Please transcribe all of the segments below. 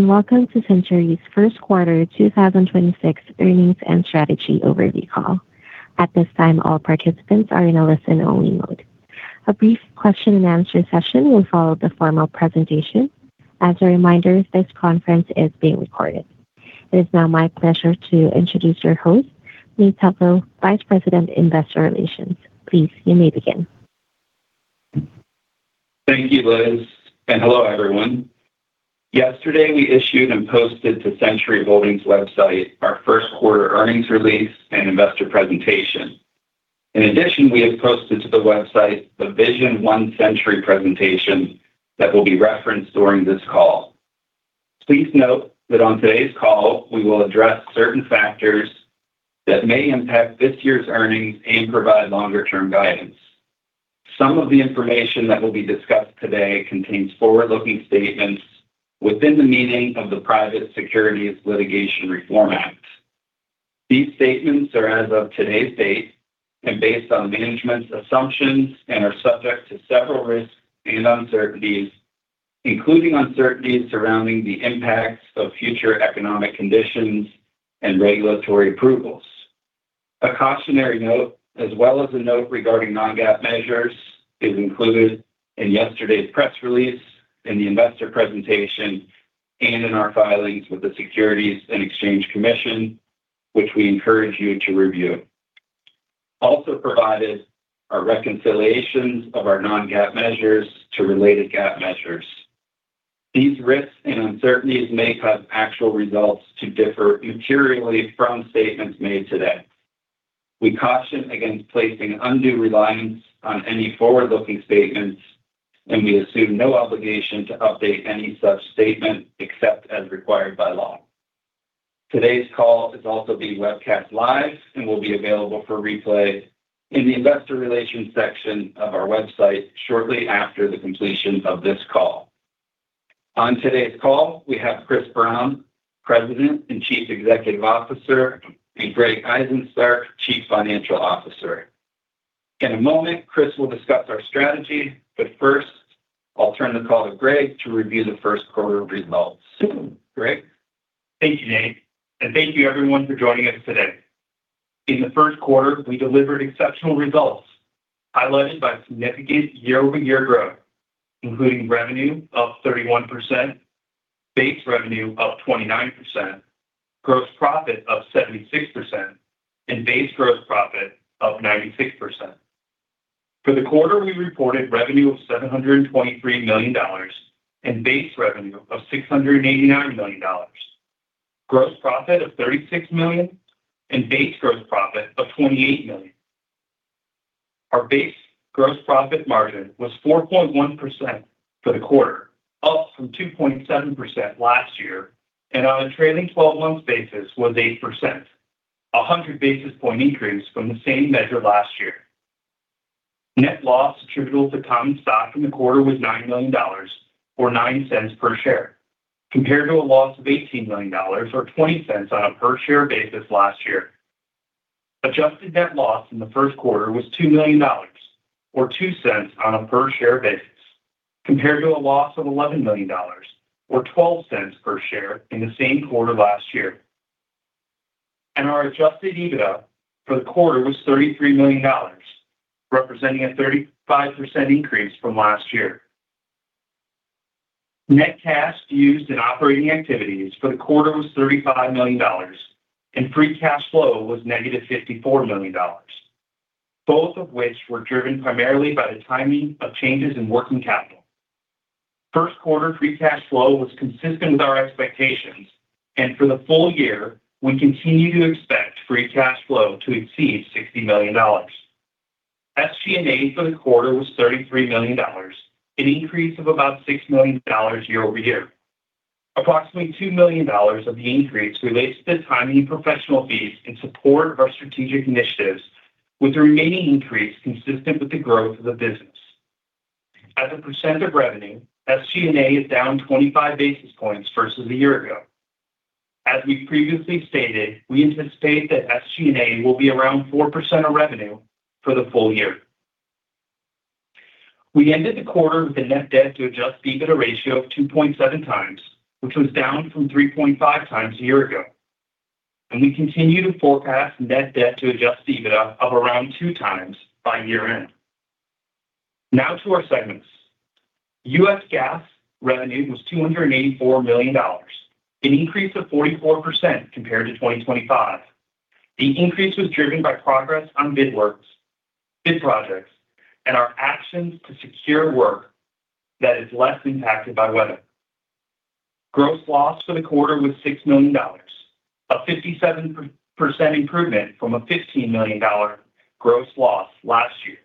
Welcome to Centuri's first quarter 2026 earnings and strategy overview call. At this time, all participants are in a listen-only mode. A brief question and answer session will follow the formal presentation. As a reminder, this conference is being recorded. It is now my pleasure to introduce your host, Nate Tetlow, Vice President, Investor Relations. Please, you may begin. Thank you, Liz, and hello, everyone. Yesterday, we issued and posted to Centuri Holdings website our first quarter earnings release and investor presentation. In addition, we have posted to the website the Vision One Centuri presentation that will be referenced during this call. Please note that on today's call, we will address certain factors that may impact this year's earnings and provide longer-term guidance. Some of the information that will be discussed today contains forward-looking statements within the meaning of the Private Securities Litigation Reform Act of 1995. These statements are as of today's date and based on management's assumptions and are subject to several risks and uncertainties, including uncertainties surrounding the impacts of future economic conditions and regulatory approvals. A cautionary note, as well as a note regarding non-GAAP measures, is included in yesterday's press release, in the investor presentation, and in our filings with the Securities and Exchange Commission, which we encourage you to review. Provided are reconciliations of our non-GAAP measures to related GAAP measures. These risks and uncertainties may cause actual results to differ materially from statements made today. We caution against placing undue reliance on any forward-looking statements, and we assume no obligation to update any such statement except as required by law. Today's call is also being webcast live and will be available for replay in the investor relations section of our website shortly after the completion of this call. On today's call, we have Chris Brown, President and Chief Executive Officer, and Greg Izenstark, Chief Financial Officer. In a moment, Chris will discuss our strategy, but first, I'll turn the call to Greg to review the first quarter results. Greg? Thank you, Nate, and thank you, everyone, for joining us today. In the first quarter, we delivered exceptional results, highlighted by significant year-over-year growth, including revenue up 31%, base revenue up 29%, gross profit up 76%, and base gross profit up 96%. For the quarter, we reported revenue of $723 million and base revenue of $689 million, gross profit of $36 million and base gross profit of $28 million. Our base gross profit margin was 4.1% for the quarter, up from 2.7% last year, and on a trailing twelve months basis was 8%, a 100 basis point increase from the same measure last year. Net loss attributable to common stock in the quarter was $9 million or $0.09 per share, compared to a loss of $18 million or $0.20 on a per share basis last year. Adjusted net loss in the first quarter was $2 million or $0.02 on a per share basis, compared to a loss of $11 million or $0.12 per share in the same quarter last year. Our adjusted EBITDA for the quarter was $33 million, representing a 35% increase from last year. Net cash used in operating activities for the quarter was $35 million, and free cash flow was negative $54 million, both of which were driven primarily by the timing of changes in working capital. First quarter free cash flow was consistent with our expectations. For the full year, we continue to expect free cash flow to exceed $60 million. SG&A for the quarter was $33 million, an increase of about $6 million year-over-year. Approximately $2 million of the increase relates to the timing professional fees in support of our strategic initiatives, with the remaining increase consistent with the growth of the business. As a percent of revenue, SG&A is down 25 basis points versus a year ago. As we previously stated, we anticipate that SG&A will be around 4% of revenue for the full year. We ended the quarter with a net debt to adjusted EBITDA ratio of 2.7x, which was down from 3.5x a year ago. We continue to forecast net debt to adjusted EBITDA of around 2x by year end. Now to our segments. U.S. Gas revenue was $284 million, an increase of 44% compared to 2025. The increase was driven by progress on bid works, bid projects, and our actions to secure work that is less impacted by weather. Gross loss for the quarter was $6 million, a 57% improvement from a $15 million gross loss last year.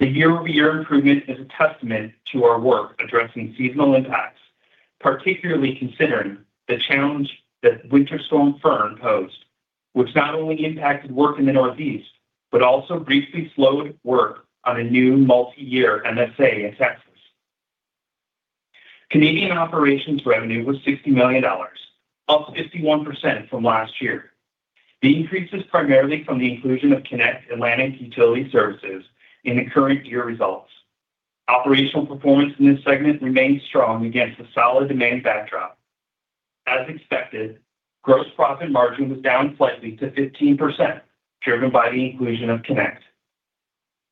The year-over-year improvement is a testament to our work addressing seasonal impacts, particularly considering the challenge that Winter Storm Fern posed, which not only impacted work in the Northeast, but also briefly slowed work on a new multi-year MSA in Texas. Canadian operations revenue was $60 million, up 51% from last year. The increase is primarily from the inclusion of Connect Atlantic Utility Services in the current year results. Operational performance in this segment remains strong against the solid demand backdrop. As expected, gross profit margin was down slightly to 15%, driven by the inclusion of Connect.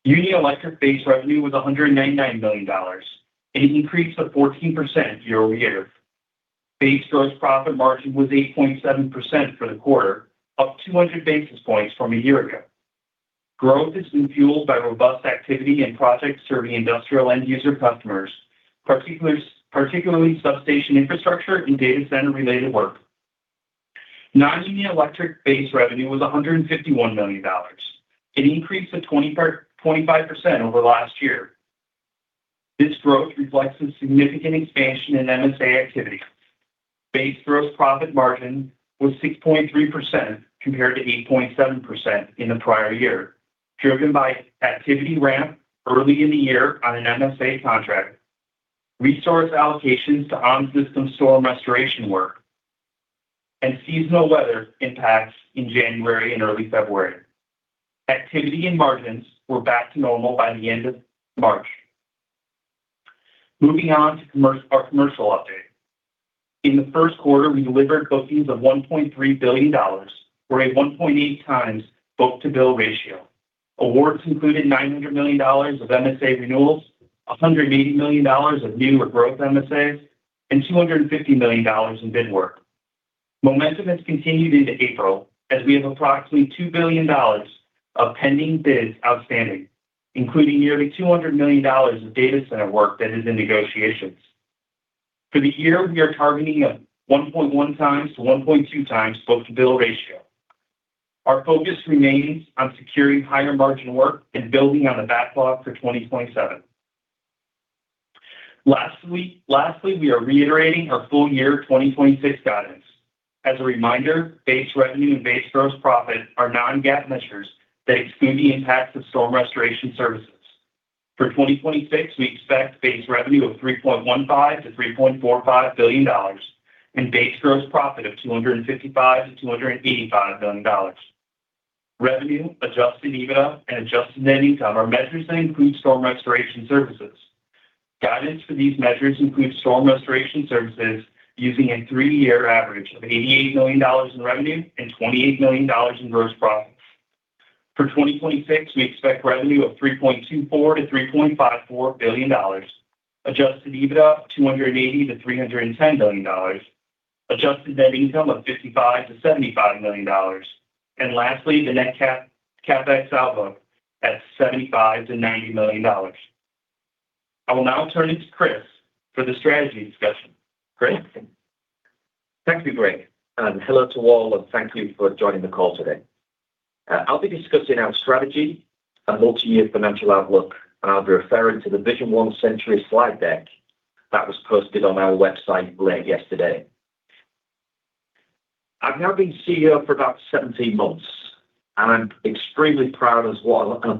Union Electric base revenue was $199 million, an increase of 14% year-over-year. Base gross profit margin was 8.7% for the quarter, up 200 basis points from a year ago. Growth has been fueled by robust activity and projects serving industrial end user customers, particularly substation infrastructure and data center-related work. Non-Union Electric base revenue was $151 million. It increased to 25% over last year. This growth reflects a significant expansion in MSA activity. Base gross profit margin was 6.3% compared to 8.7% in the prior year, driven by activity ramp early in the year on an MSA contract, resource allocations to on-system storm restoration work, and seasonal weather impacts in January and early February. Activity and margins were back to normal by the end of March. Moving on to our commercial update. In the first quarter, we delivered bookings of $1.3 billion, or a 1.8x book-to-bill ratio. Awards included $900 million of MSA renewals, $180 million of new or growth MSAs, and $250 million in bid work. Momentum has continued into April, as we have approximately $2 billion of pending bids outstanding, including nearly $200 million of data center work that is in negotiations. For the year, we are targeting a 1.1x to 1.2x book-to-bill ratio. Our focus remains on securing higher margin work and building on the backlog for 2027. Lastly, we are reiterating our full year 2026 guidance. As a reminder, base revenue and base gross profit are non-GAAP measures that exclude the impacts of storm restoration services. For 2026, we expect base revenue of $3.15 billion-$3.45 billion and base gross profit of $255 billion-$285 billion. Revenue, adjusted EBITDA and adjusted net income are measures that include storm restoration services. Guidance for these measures include storm restoration services using a three-year average of $88 million in revenue and $28 million in gross profit. For 2026, we expect revenue of $3.24 billion-$3.54 billion, adjusted EBITDA of $280 million-$310 million, adjusted net income of $55 million-$75 million. Lastly, the net CapEx outlook at $75 million-$90 million. I will now turn it to Chris for the strategy discussion. Chris? Thank you, Greg. Hello to all, and thank you for joining the call today. I'll be discussing our strategy and multi-year financial outlook, and I'll be referring to the Vision One Centuri slide deck that was posted on our website late yesterday. I've now been CEO for about 17 months, and I'm extremely proud on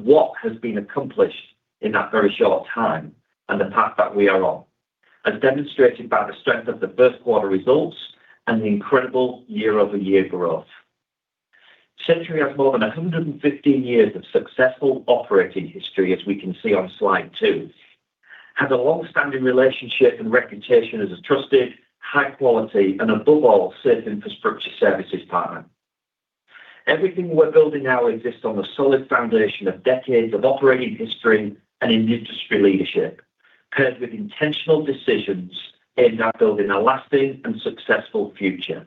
what has been accomplished in that very short time and the path that we are on, as demonstrated by the strength of the first quarter results and the incredible year-over-year growth. Centuri has more than a 115 years of successful operating history, as we can see on slide two, and a long-standing relationship and reputation as a trusted, high quality and above all, safe infrastructure services partner. Everything we're building now exists on a solid foundation of decades of operating history and industry leadership, paired with intentional decisions aimed at building a lasting and successful future.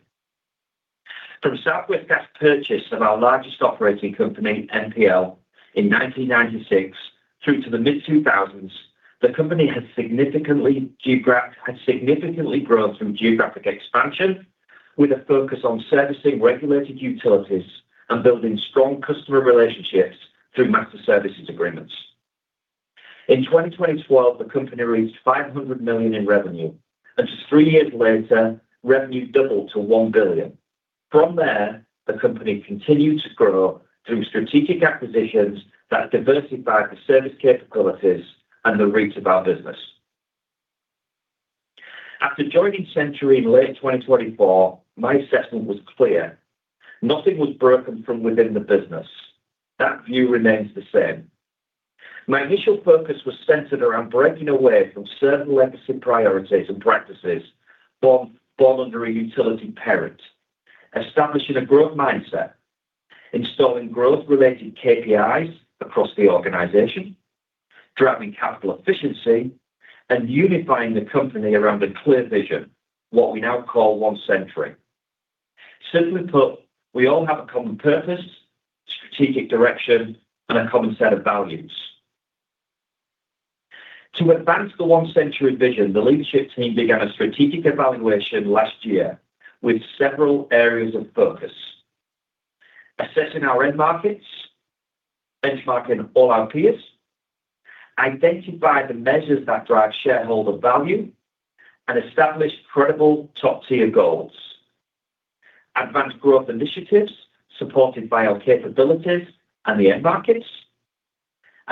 From Southwest Gas purchase of our largest operating company, NPL, in 1996 through to the mid-2000s, the company has significantly grown from geographic expansion, with a focus on servicing regulated utilities and building strong customer relationships through master services agreements. In 2012, the company reached $500 million in revenue, and just three years later, revenue doubled to $1 billion. From there, the company continued to grow through strategic acquisitions that diversified the service capabilities and the reach of our business. After joining Centuri in late 2024, my assessment was clear: nothing was broken from within the business. That view remains the same. My initial focus was centered around breaking away from certain legacy priorities and practices born under a utility parent. Establishing a growth mindset, installing growth-related KPIs across the organization, driving capital efficiency, and unifying the company around a clear vision, what we now call One Centuri. Simply put, we all have a common purpose, strategic direction, and a common set of values. To advance the One Centuri vision, the leadership team began a strategic evaluation last year with several areas of focus. Assessing our end markets, benchmarking all our peers, identify the measures that drive shareholder value, and establish credible top-tier goals. Advance growth initiatives supported by our capabilities and the end markets.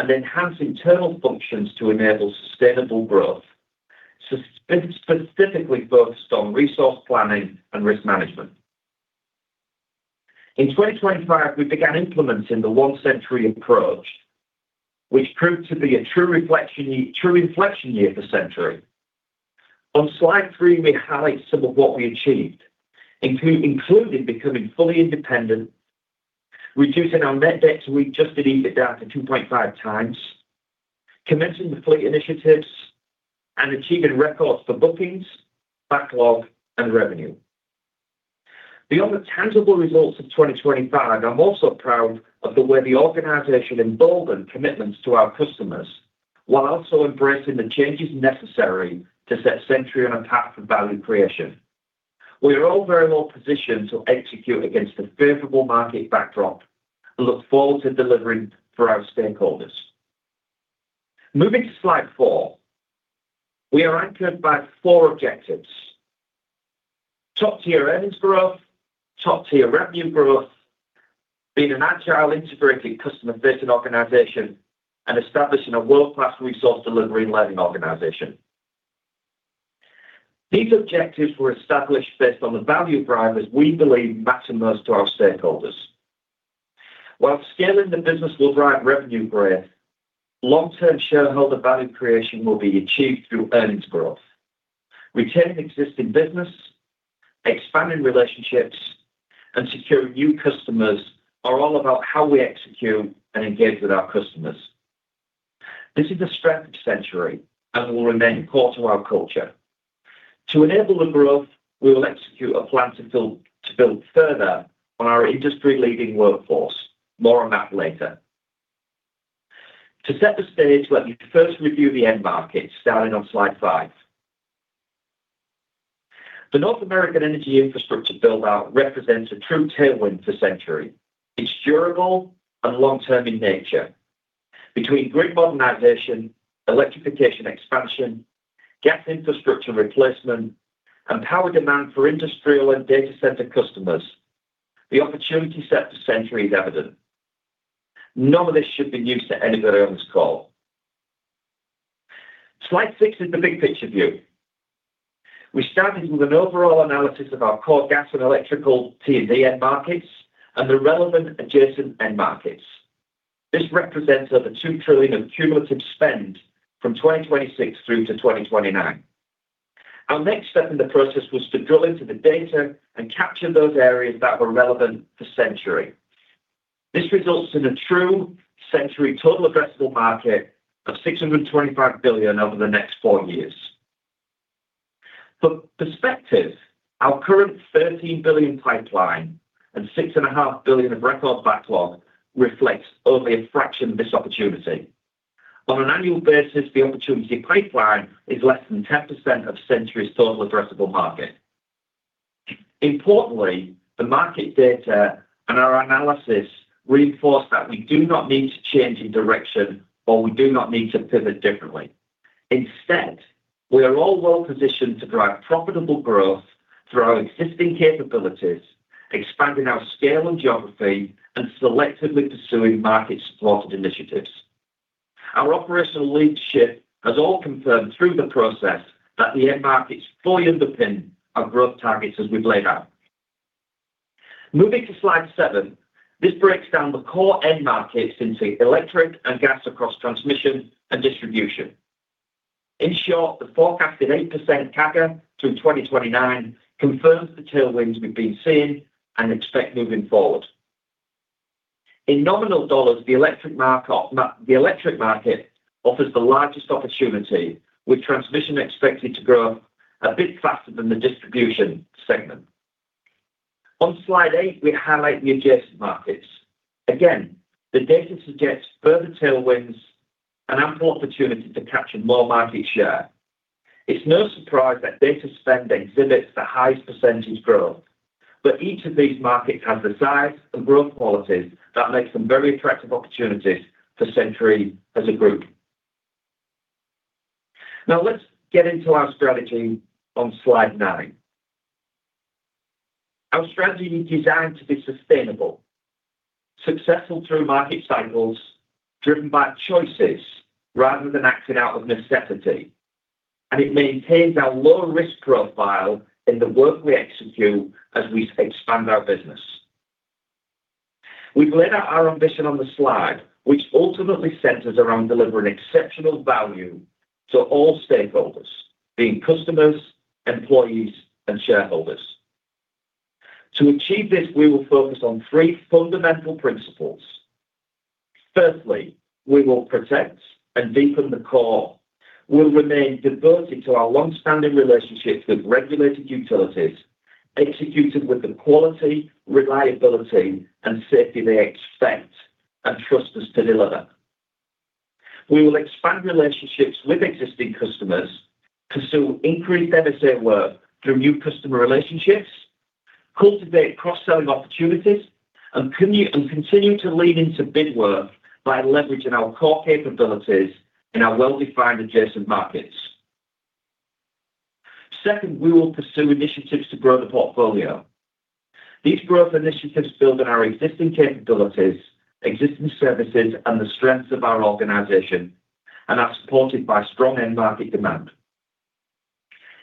Enhance internal functions to enable sustainable growth, specifically focused on resource planning and risk management. In 2025, we began implementing the One Centuri approach, which proved to be a true reflection year, true inflection year for Centuri. On slide three, we highlight some of what we achieved, including becoming fully independent, reducing our net debt to just beneath the data 2.5x, commencing the fleet initiatives and achieving records for bookings, backlog and revenue. Beyond the tangible results of 2025, I'm also proud of the way the organization emboldened commitments to our customers while also embracing the changes necessary to set Centuri on a path of value creation. We are all very well positioned to execute against a favorable market backdrop and look forward to delivering for our stakeholders. Moving to slide four. We are anchored by four objectives: top-tier earnings growth, top-tier revenue growth, being an agile, integrated, customer-fitting organization, and establishing a world-class resource delivery-leading organization. These objectives were established based on the value drivers we believe matter most to our stakeholders. While scaling the business will drive revenue growth, long-term shareholder value creation will be achieved through earnings growth. Retaining existing business, expanding relationships and securing new customers are all about how we execute and engage with our customers. This is a strength of Centuri and will remain core to our culture. To enable the growth, we will execute a plan to build further on our industry-leading workforce. More on that later. To set the stage, let me first review the end market starting on slide five. The North American energy infrastructure build-out represents a true tailwind for Centuri. It's durable and long-term in nature. Between grid modernization, electrification expansion, gas infrastructure replacement and power demand for industrial and data center customers, the opportunity set for Centuri is evident. None of this should be news to anybody on this call. Slide six is the big picture view. We started with an overall analysis of our core gas and electrical T&D end markets and the relevant adjacent end markets. This represents over $2 trillion of cumulative spend from 2026 through to 2029. Our next step in the process was to drill into the data and capture those areas that were relevant for Centuri. This results in a true Centuri total addressable market of $625 billion over the next four years. For perspective, our current $13 billion pipeline and $6.5 billion of record backlog reflects only a fraction of this opportunity. On an annual basis, the opportunity pipeline is less than 10% of Centuri's total addressable market. Importantly, the market data and our analysis reinforce that we do not need to change direction or we do not need to pivot differently. Instead, we are all well positioned to drive profitable growth through our existing capabilities, expanding our scale and geography and selectively pursuing market supported initiatives. Our operational leadership has all confirmed through the process that the end markets fully underpin our growth targets as we've laid out. Moving to slide seven. This breaks down the core end markets into electric and gas across transmission and distribution. In short, the forecasted 8% CAGR through 2029 confirms the tailwinds we've been seeing and expect moving forward. In nominal dollars, the electric market offers the largest opportunity, with transmission expected to grow a bit faster than the distribution segment. On slide eight, we highlight the adjacent markets. Again, the data suggests further tailwinds and ample opportunity to capture more market share. It's no surprise that data spend exhibits the highest percentage growth, but each of these markets has the size and growth qualities that makes them very attractive opportunities for Centuri as a group. Let's get into our strategy on slide nine. Our strategy is designed to be sustainable, successful through market cycles, driven by choices rather than acting out of necessity, and it maintains our low risk profile in the work we execute as we expand our business. We've laid out our ambition on the slide, which ultimately centers around delivering exceptional value to all stakeholders, being customers, employees and shareholders. To achieve this, we will focus on three fundamental principles. Firstly, we will protect and deepen the core. We'll remain devoted to our long-standing relationships with regulated utilities, executed with the quality, reliability and safety they expect and trust us to deliver. We will expand relationships with existing customers, pursue increased MSA work through new customer relationships, cultivate cross-selling opportunities and continue to lean into bid work by leveraging our core capabilities in our well-defined adjacent markets. Second, we will pursue initiatives to grow the portfolio. These growth initiatives build on our existing capabilities, existing services, and the strengths of our organization, and are supported by strong end market demand.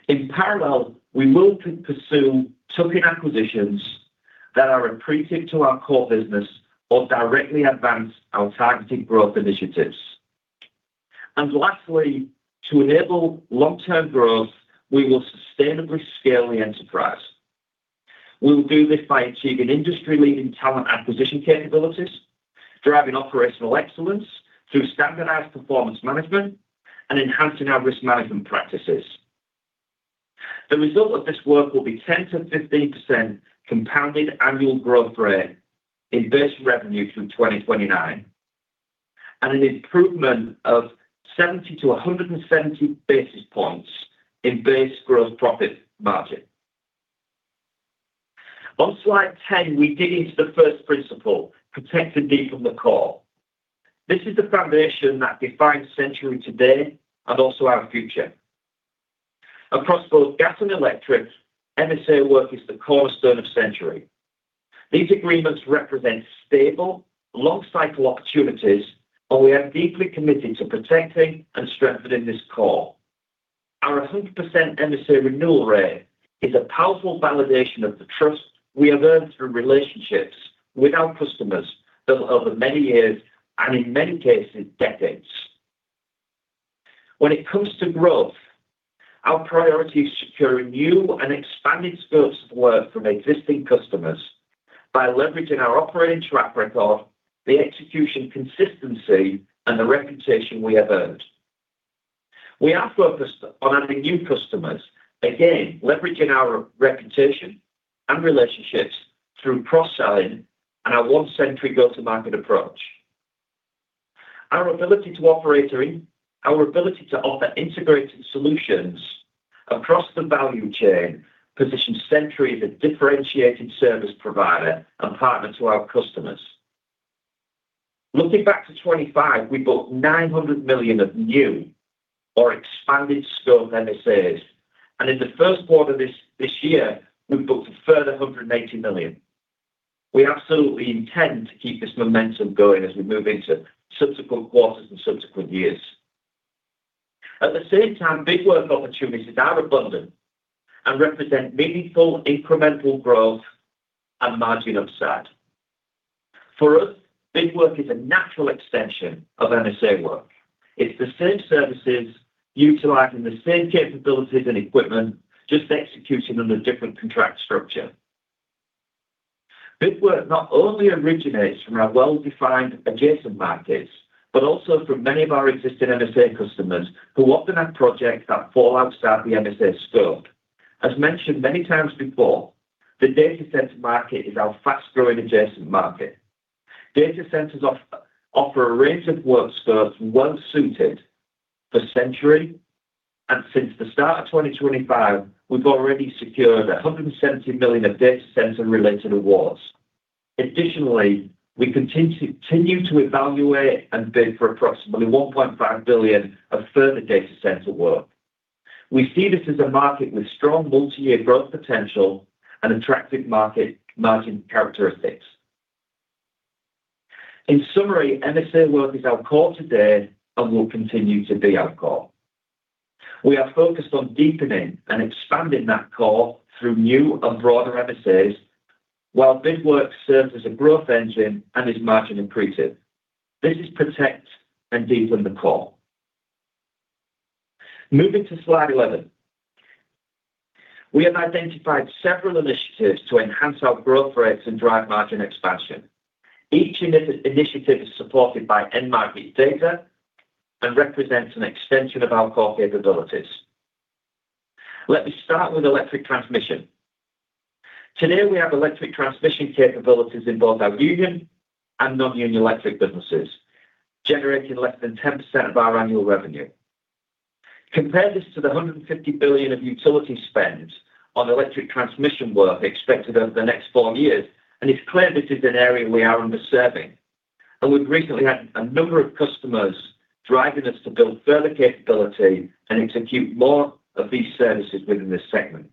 In parallel, we will pursue tuck-in acquisitions that are accretive to our core business or directly advance our targeted growth initiatives. Lastly, to enable long-term growth, we will sustainably scale the enterprise. We will do this by achieving industry leading talent acquisition capabilities, driving operational excellence through standardized performance management, and enhancing our risk management practices. The result of this work will be 10%-5% compounded annual growth rate in base revenue through 2029, and an improvement of 70 basis points to 170 basis points in base gross profit margin. On slide 10, we dig into the first principle, protect and deepen the core. This is the foundation that defines Centuri today and also our future. Across both gas and electric, MSA work is the cornerstone of Centuri. These agreements represent stable, long cycle opportunities, and we are deeply committed to protecting and strengthening this core. Our 100% MSA renewal rate is a powerful validation of the trust we have earned through relationships with our customers built over many years and in many cases, decades. When it comes to growth, our priority is securing new and expanded scopes of work from existing customers by leveraging our operating track record, the execution consistency, and the reputation we have earned. We are focused on adding new customers, again, leveraging our reputation and relationships through cross-selling and our One Centuri go-to-market approach. Our ability to offer integrated solutions across the value chain positions Centuri as a differentiated service provider and partner to our customers. Looking back to 2025, we booked $900 million of new or expanded scope MSAs, and in the first quarter this year, we've booked a further $180 million. We absolutely intend to keep this momentum going as we move into subsequent quarters and subsequent years. At the same time, big work opportunities are abundant and represent meaningful incremental growth and margin upside. For us, big work is a natural extension of MSA work. It's the same services utilizing the same capabilities and equipment, just executing under a different contract structure. Big work not only originates from our well-defined adjacent markets, but also from many of our existing MSA customers who often have projects that fall outside the MSA scope. As mentioned many times before, the data center market is our fast-growing adjacent market. Data centers offer a range of work scopes well suited for Centuri, and since the start of 2025, we've already secured $170 million of data center related awards. We continue to evaluate and bid for approximately $1.5 billion of further data center work. We see this as a market with strong multi-year growth potential and attractive market margin characteristics. In summary, MSA work is our core today and will continue to be our core. We are focused on deepening and expanding that core through new and broader MSAs, while big work serves as a growth engine and is margin accretive. This is protect and deepen the core. Moving to slide 11. We have identified several initiatives to enhance our growth rates and drive margin expansion. Each initiative is supported by end market data and represents an extension of our core capabilities. Let me start with electric transmission. Today, we have electric transmission capabilities in both our Union Electric and Non-Union Electric businesses, generating less than 10% of our annual revenue. Compare this to the $150 billion of utility spend on electric transmission work expected over the next four years. It's clear this is an area we are underserving. We've recently had a number of customers driving us to build further capability and execute more of these services within this segment.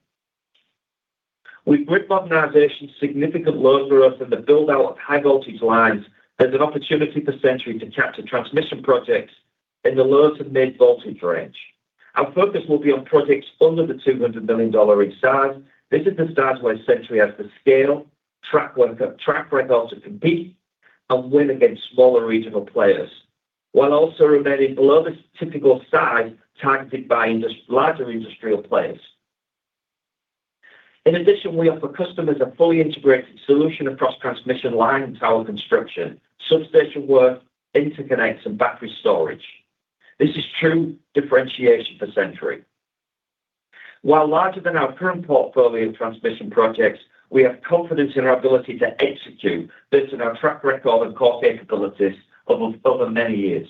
With grid modernization, significant load growth, and the build-out of high voltage lines, there's an opportunity for Centuri to capture transmission projects in the low to mid voltage range. Our focus will be on projects under the $200 million in size. This is the size where Centuri has the scale, track record to compete and win against smaller regional players, while also remaining below the typical size targeted by larger industrial players. In addition, we offer customers a fully integrated solution across transmission line and tower construction, substation work, interconnects, and battery storage. This is true differentiation for Centuri. While larger than our current portfolio of transmission projects, we have confidence in our ability to execute based on our track record and core capabilities over many years.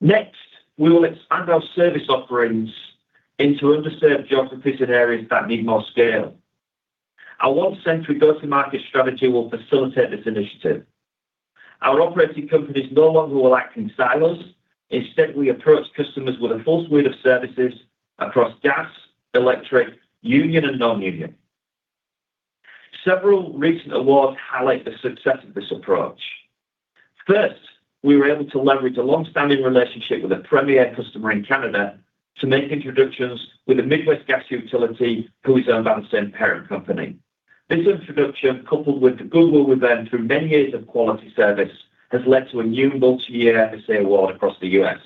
Next, we will expand our service offerings into underserved geographies and areas that need more scale. Our One Centuri go-to-market strategy will facilitate this initiative. Our operating companies no longer will act in silos. Instead, we approach customers with a full suite of services across gas, electric, Union and Non-Union. Several recent awards highlight the success of this approach. First, we were able to leverage a long-standing relationship with a premier customer in Canada to make introductions with a Midwest gas utility who is owned by the same parent company. This introduction, coupled with the goodwill with them through many years of quality service, has led to a new multi-year MSA award across the U.S.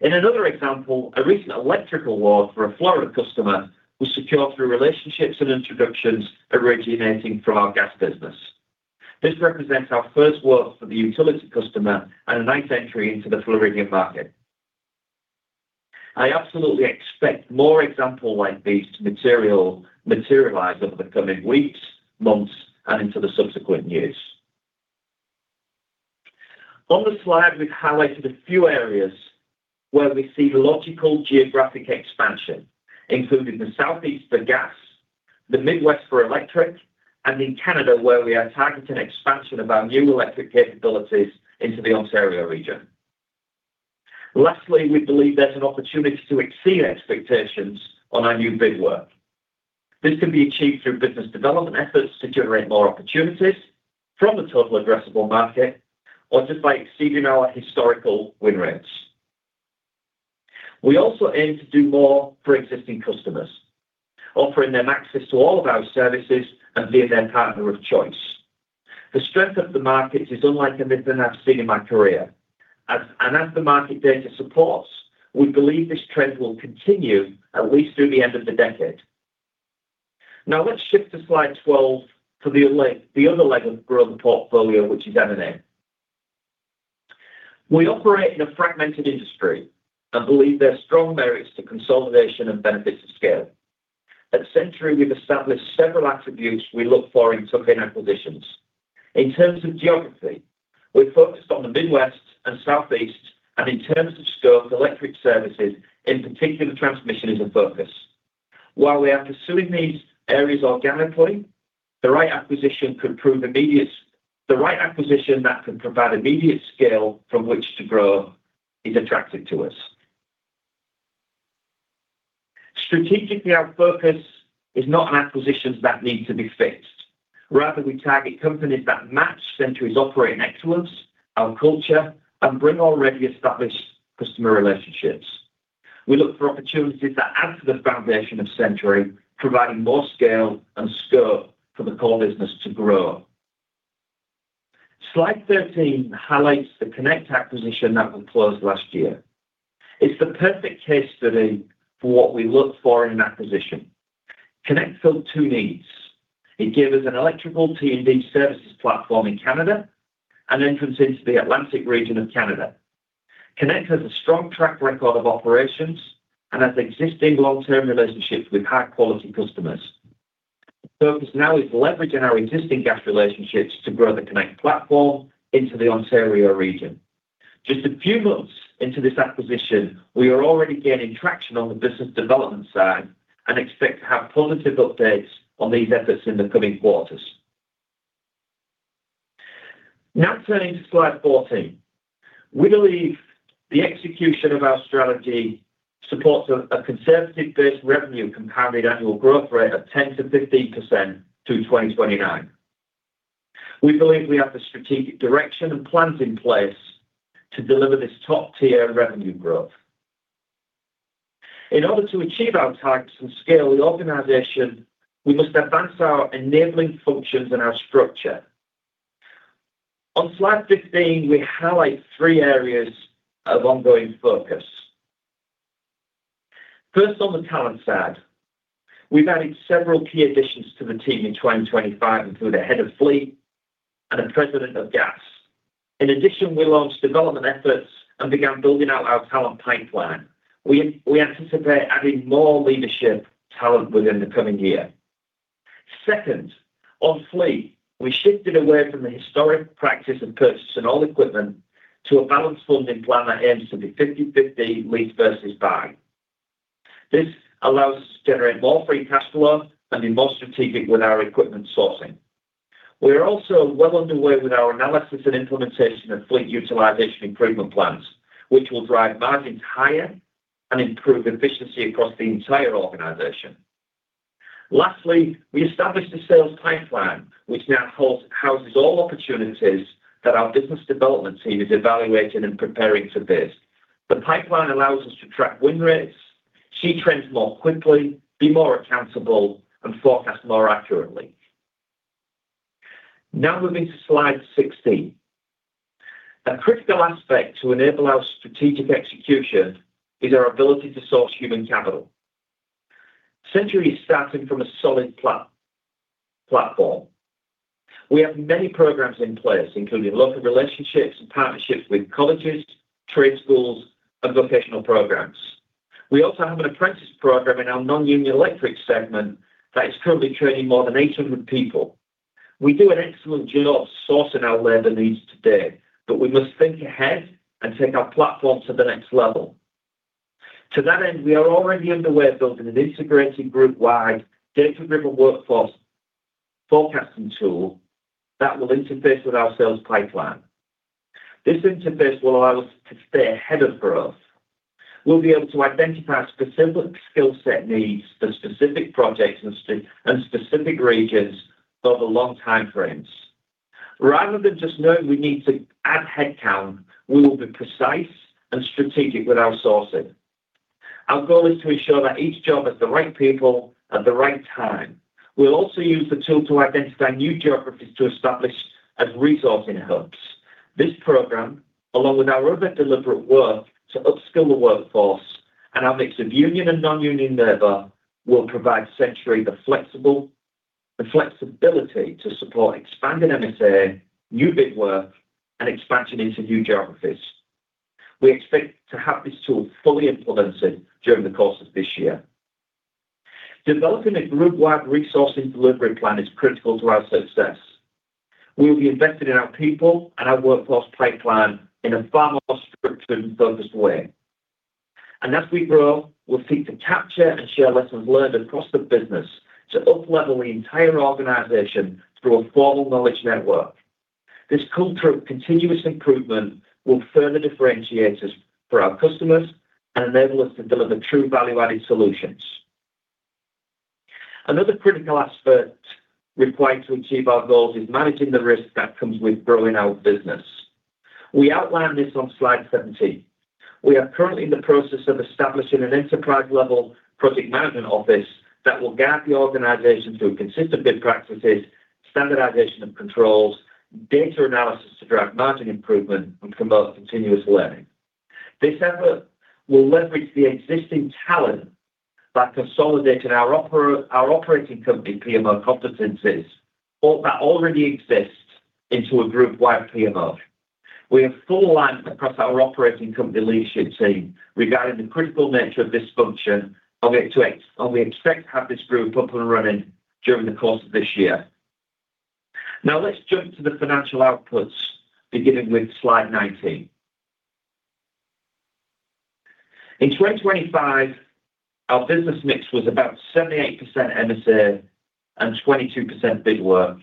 In another example, a recent electrical award for a Florida customer was secured through relationships and introductions originating from our gas business. This represents our first work for the utility customer and a nice entry into the Floridian market. I absolutely expect more example like these materialize over the coming weeks, months, and into the subsequent years. On the slide, we've highlighted a few areas where we see logical geographic expansion, including the Southeast for gas, the Midwest for electric, and in Canada, where we are targeting expansion of our new electric capabilities into the Ontario region. Lastly, we believe there's an opportunity to exceed expectations on our new bid work. This can be achieved through business development efforts to generate more opportunities from the total addressable market or just by exceeding our historical win rates. We also aim to do more for existing customers, offering them access to all of our services and being their partner of choice. The strength of the markets is unlike anything I've seen in my career. As the market data supports, we believe this trend will continue at least through the end of the decade. Let's shift to slide 12 for the other leg of growing the portfolio, which is M&A. We operate in a fragmented industry and believe there are strong barriers to consolidation and benefits of scale. At Centuri, we've established several attributes we look for in tuck-in acquisitions. In terms of geography, we're focused on the Midwest and Southeast. In terms of scope, electric services, in particular, transmission is a focus. While we are pursuing these areas organically, the right acquisition that can provide immediate scale from which to grow is attractive to us. Strategically, our focus is not on acquisitions that need to be fixed. Rather, we target companies that match Centuri's operating excellence, our culture, and bring already established customer relationships. We look for opportunities that add to the foundation of Centuri, providing more scale and scope for the core business to grow. Slide 13 highlights the Connect acquisition that we closed last year. It's the perfect case study for what we look for in an acquisition. Connect filled two needs. It gave us an electrical T&D services platform in Canada, an entrance into the Atlantic region of Canada. Connect has a strong track record of operations and has existing long-term relationships with high-quality customers. The focus now is leveraging our existing gas relationships to grow the Connect platform into the Ontario region. Just a few months into this acquisition, we are already gaining traction on the business development side and expect to have positive updates on these efforts in the coming quarters. Now turning to slide 14. We believe the execution of our strategy supports a conservative-based revenue compounded annual growth rate of 10%-15% through 2029. We believe we have the strategic direction and plans in place to deliver this top-tier revenue growth. In order to achieve our targets and scale the organization, we must advance our enabling functions and our structure. On slide 15, we highlight three areas of ongoing focus. First, on the talent side, we've added several key additions to the team in 2025, including a head of fleet and a president of gas. In addition, we launched development efforts and began building out our talent pipeline. We anticipate adding more leadership talent within the coming year. Second, on fleet, we shifted away from the historic practice of purchasing all equipment to a balanced funding plan that aims to be 50/50 lease versus buy. This allows us to generate more free cash flow and be more strategic with our equipment sourcing. We are also well underway with our analysis and implementation of fleet utilization improvement plans, which will drive margins higher and improve efficiency across the entire organization. Lastly, we established a sales pipeline, which now houses all opportunities that our business development team is evaluating and preparing to bid. The pipeline allows us to track win rates, see trends more quickly, be more accountable, and forecast more accurately. Moving to slide 16. A critical aspect to enable our strategic execution is our ability to source human capital. Centuri is starting from a solid platform. We have many programs in place, including local relationships and partnerships with colleges, trade schools, and vocational programs. We also have an apprentice program in our Non-Union Electric segment that is currently training more than 800 people. We do an excellent job sourcing our labor needs today, but we must think ahead and take our platform to the next level. To that end, we are already underway building an integrated group-wide data-driven workforce forecasting tool that will interface with our sales pipeline. This interface will allow us to stay ahead of growth. We'll be able to identify specific skill set needs for specific projects and specific regions over long time frames. Rather than just knowing we need to add headcount, we will be precise and strategic with our sourcing. Our goal is to ensure that each job has the right people at the right time. We'll also use the tool to identify new geographies to establish as resourcing hubs. This program, along with our other deliberate work to upskill the workforce and our mix of union and non-union labor, will provide Centuri the flexibility to support expanding MSA, new big work, and expansion into new geographies. We expect to have this tool fully implemented during the course of this year. Developing a group-wide resourcing delivery plan is critical to our success. We will be investing in our people and our workforce pipeline in a far more structured and focused way. As we grow, we'll seek to capture and share lessons learned across the business to up-level the entire organization through a formal knowledge network. This culture of continuous improvement will further differentiate us for our customers and enable us to deliver true value-added solutions. Another critical aspect required to achieve our goals is managing the risk that comes with growing our business. We outlined this on slide 17. We are currently in the process of establishing an enterprise-level project management office that will guide the organization through consistent good practices, standardization of controls, data analysis to drive margin improvement, and promote continuous learning. This effort will leverage the existing talent by consolidating our operating company PMO competencies or that already exists into a group-wide PMO. We have full alignment across our operating company leadership team regarding the critical nature of this function, and we expect to have this group up and running during the course of this year. Let's jump to the financial outputs, beginning with slide 19. In 2025, our business mix was about 78% MSA and 22% big work,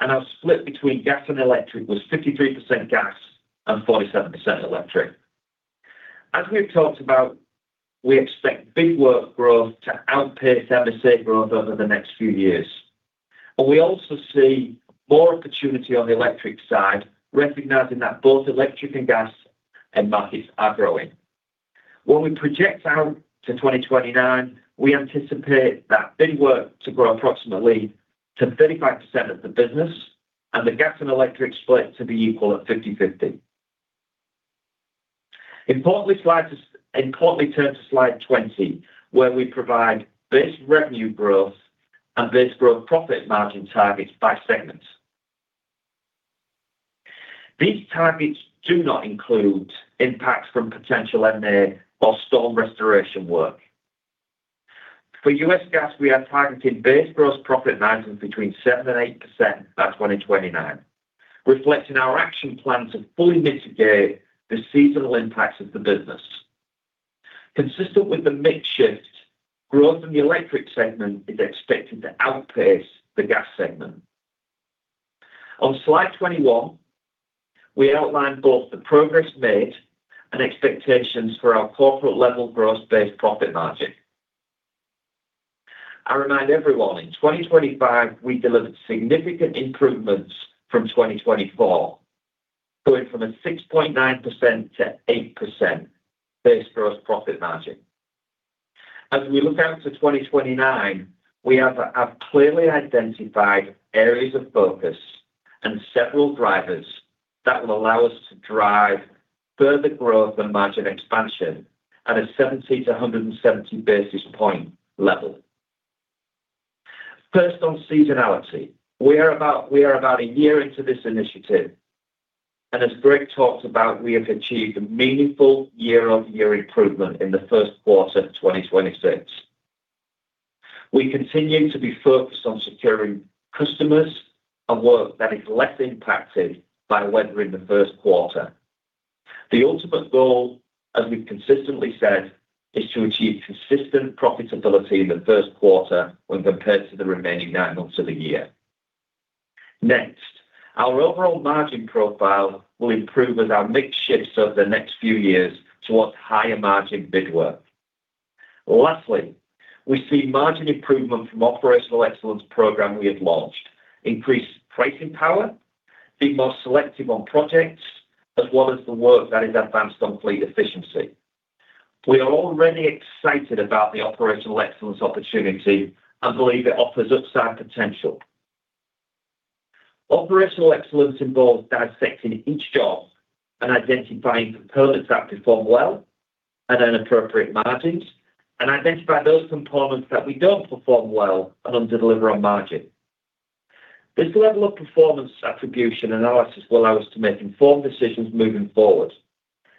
and our split between gas and electric was 53% gas and 47% electric. As we have talked about, we expect big work growth to outpace MSA growth over the next few years. We also see more opportunity on the electric side, recognizing that both electric and gas end markets are growing. When we project out to 2029, we anticipate that big work to grow approximately to 35% of the business and the gas and electric split to be equal at 50/50. Importantly, turn to slide 20, where we provide base revenue growth and base gross profit margin targets by segment. These targets do not include impacts from potential M&A or storm restoration work. For U.S. gas, we are targeting base gross profit margins between 7% and 8% by 2029, reflecting our action plan to fully mitigate the seasonal impacts of the business. Consistent with the mix shift, growth in the electric segment is expected to outpace the gas segment. On slide 21, we outline both the progress made and expectations for our corporate-level gross base profit margin. I remind everyone, in 2025, we delivered significant improvements from 2024, going from a 6.9%-8% base gross profit margin. We look out to 2029, we have clearly identified areas of focus and several drivers that will allow us to drive further growth and margin expansion at a 70 basis points to 170 basis point level. First, on seasonality. We are about a year into this initiative, and as Greg talked about, we have achieved a meaningful year-over-year improvement in the first quarter of 2026. We continue to be focused on securing customers and work that is less impacted by weather in the first quarter. The ultimate goal, as we've consistently said, is to achieve consistent profitability in the first quarter when compared to the remaining nine months of the year. Next, our overall margin profile will improve as our mix shifts over the next few years towards higher margin bid work. Lastly, we see margin improvement from operational excellence program we have launched, increased pricing power, being more selective on projects, as well as the work that is advanced on fleet efficiency. We are already excited about the operational excellence opportunity and believe it offers upside potential. Operational excellence involves dissecting each job and identifying components that perform well at inappropriate margins and identify those components that we don't perform well and underdeliver on margin. This level of performance attribution analysis will allow us to make informed decisions moving forward.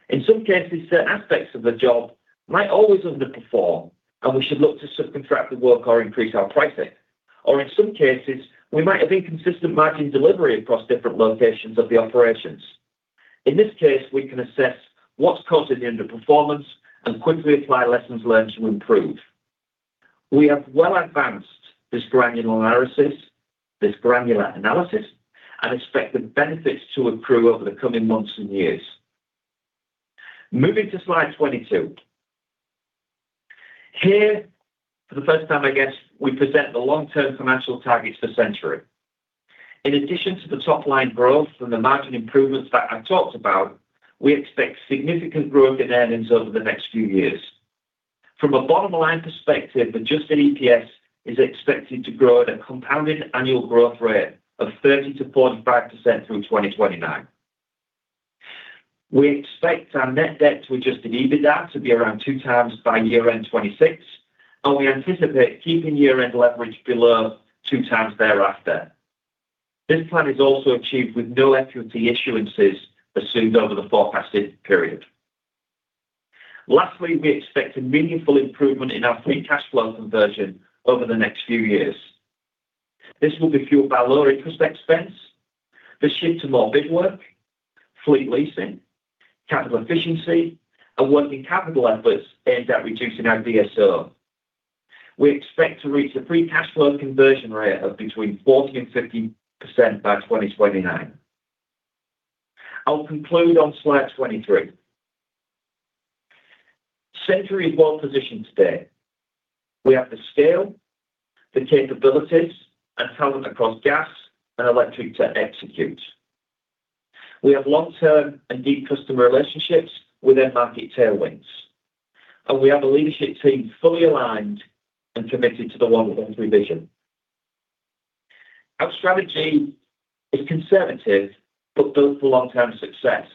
In some cases, certain aspects of the job might always underperform, and we should look to subcontract the work or increase our pricing. In some cases, we might have inconsistent margin delivery across different locations of the operations. In this case, we can assess what's causing the underperformance and quickly apply lessons learned to improve. We have well advanced this granular analysis and expect the benefits to accrue over the coming months and years. Moving to slide 22. Here, for the first time, I guess, we present the long-term financial targets for Centuri. In addition to the top-line growth and the margin improvements that I talked about, we expect significant growth in earnings over the next few years. From a bottom-line perspective, adjusted EPS is expected to grow at a compounded annual growth rate of 30%-45% through 2029. We expect our net debt to adjusted EBITDA to be around 2x by year-end 2026, and we anticipate keeping year-end leverage below 2x thereafter. This plan is also achieved with no equity issuances assumed over the forecasted period. Lastly, we expect a meaningful improvement in our free cash flow conversion over the next few years. This will be fueled by lower interest expense, the shift to more bid work, fleet leasing, capital efficiency and working capital efforts aimed at reducing our DSO. We expect to reach a free cash flow conversion rate of between 40% and 50% by 2029. I'll conclude on slide 23. Centuri is well positioned today. We have the scale, the capabilities and talent across gas and electric to execute. We have long-term and deep customer relationships with end market tailwinds, and we have a leadership team fully aligned and committed to the long-term vision. Our strategy is conservative but built for long-term success.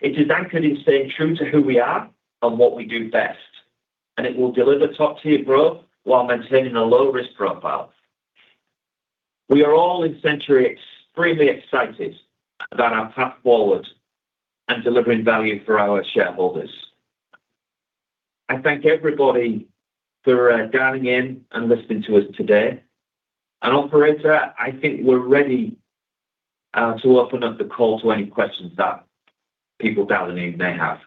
It is anchored in staying true to who we are and what we do best, and it will deliver top-tier growth while maintaining a low risk profile. We are all in Centuri extremely excited about our path forward and delivering value for our shareholders. I thank everybody for, dialing in and listening to us today. Operator, I think we're ready, to open up the call to any questions that people dialing in may have.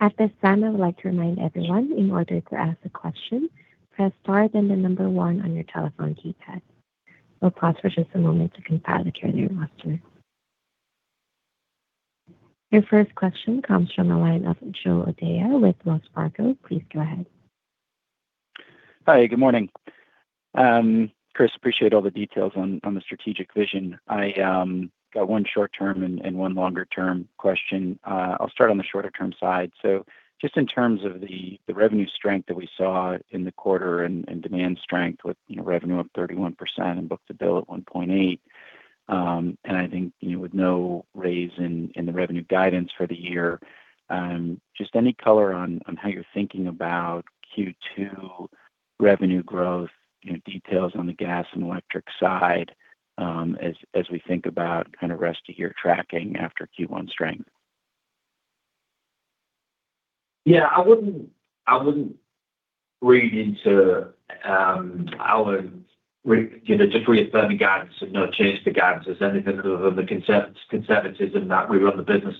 At this time, I would like to remind everyone in order to ask a question, press star, then the number one on your telephone keypad. We'll pause for just a moment to compile the turn in roster. Your first question comes from the line of Joe O'Dea with Wells Fargo. Please go ahead. Hi, good morning. Chris, appreciate all the details on the strategic vision. I got one short term and one longer term question. I'll start on the shorter term side. Just in terms of the revenue strength that we saw in the quarter and demand strength with, you know, revenue up 31% and book-to-bill at 1.8x. I think you would know raise in the revenue guidance for the year. Just any color on how you're thinking about Q2 revenue growth, you know, details on the gas and electric side, as we think about kind of rest of year tracking after Q1 strength. I wouldn't read into our reaffirming guidance and not change the guidance as anything other than the conservatism that we run the business.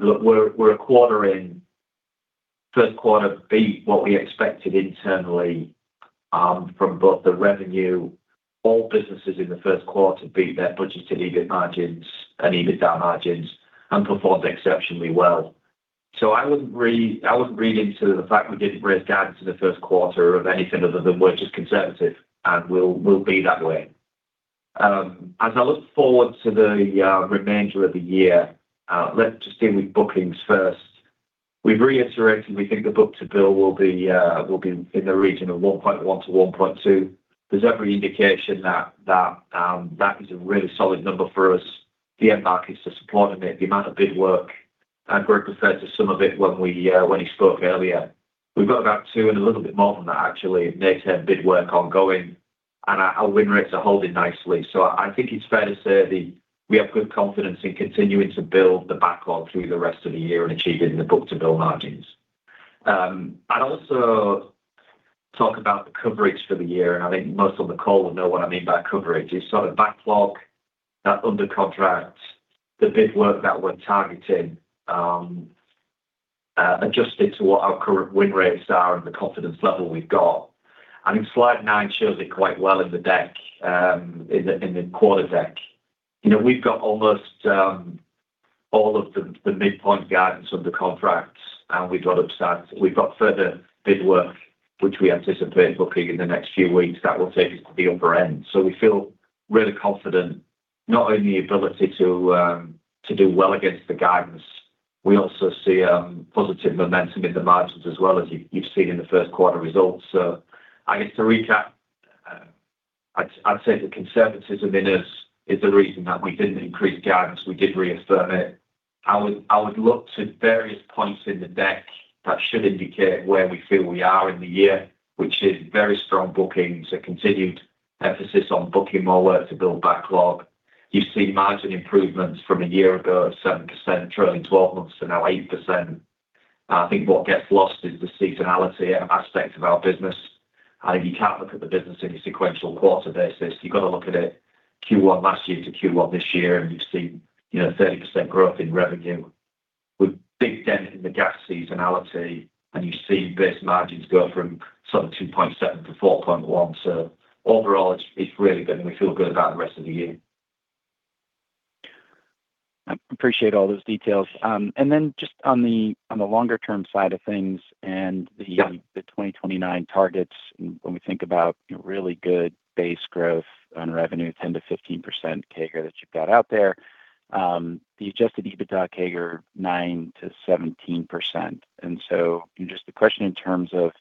Look, we're a quarter in. First quarter beat what we expected internally from both the revenue. All businesses in the first quarter beat their budgeted EBIT margins and EBITDA margins and performed exceptionally well. I wouldn't read into the fact we didn't raise guidance for the first quarter of anything other than we're just conservative and we'll be that way. As I look forward to the remainder of the year, let's just deal with bookings first. We've reiterated we think the book-to-bill will be in the region of 1.1x-1.2x. There's every indication that that is a really solid number for us. The end markets are supporting it. The amount of bid work, and Greg referred to some of it when we, when he spoke earlier. We've got about 2x and a little bit more than that actually, mid-term bid work ongoing and our win rates are holding nicely. I think it's fair to say that we have good confidence in continuing to build the backlog through the rest of the year and achieving the book-to-bill margins. I'd also talk about the coverage for the year, and I think most on the call will know what I mean by coverage. It's sort of backlog that under contract, the bid work that we're targeting, adjusted to what our current win rates are and the confidence level we've got. I think slide nine shows it quite well in the deck, in the, in the quarter deck. You know, we've got almost all of the mid-point guidance under contracts and we've got upsides. We've got further bid work which we anticipate booking in the next few weeks that will take us to the upper end. We feel really confident not only the ability to do well against the guidance, we also see positive momentum in the margins as well as you've seen in the first quarter results. I guess to recap, I'd say the conservatism in us is the reason that we didn't increase guidance. We did reaffirm it. I would look to various points in the deck that should indicate where we feel we are in the year, which is very strong bookings, a continued emphasis on booking more work to build backlog. You see margin improvements from a year ago of 7%, trailing twelve months to now 8%. I think what gets lost is the seasonality aspect of our business. You can't look at the business in a sequential quarter basis. You've got to look at it Q1 last year to Q1 this year, you've seen, you know, 30% growth in revenue with big dent in the gas seasonality. You see base margins go from sort of 2.7%-4.1%. Overall, it's really good, and we feel good about the rest of the year. I appreciate all those details. Then just on the, on the longer-term side of things. Yeah. The 2029 targets, when we think about really good base growth on revenue, 10%-15% CAGR that you've got out there, the adjusted EBITDA CAGR 9%-17%. Just a question in terms of,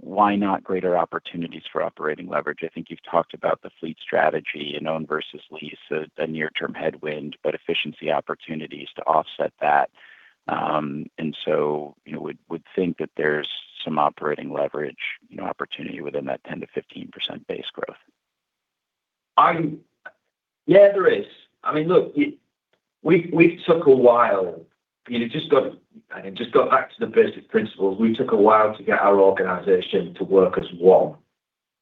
why not greater opportunities for operating leverage? I think you've talked about the fleet strategy and own versus lease, a near-term headwind, but efficiency opportunities to offset that. You would think that there's some operating leverage, you know, opportunity within that 10%-15% base growth. Yeah, there is. I mean, look, we took a while. You know, just go back to the basic principles. We took a while to get our organization to work as one,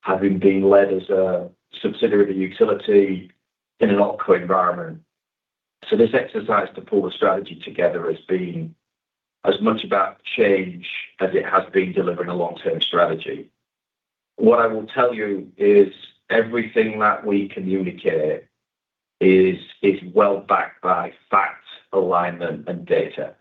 having been led as a subsidiary utility in an OpCo environment. This exercise to pull the strategy together has been as much about change as it has been delivering a long-term strategy. What I will tell you is everything that we communicate is well backed by facts, alignment, and data.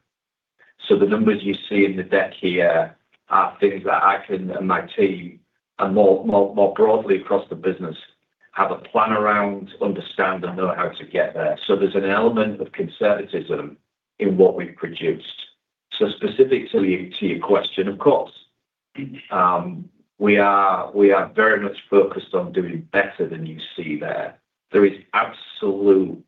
The numbers you see in the deck here are things that I can and my team and more broadly across the business have a plan around, understand, and know how to get there. There's an element of conservatism in what we've produced. Specifically to your question, of course, we are very much focused on doing better than you see there. There is absolute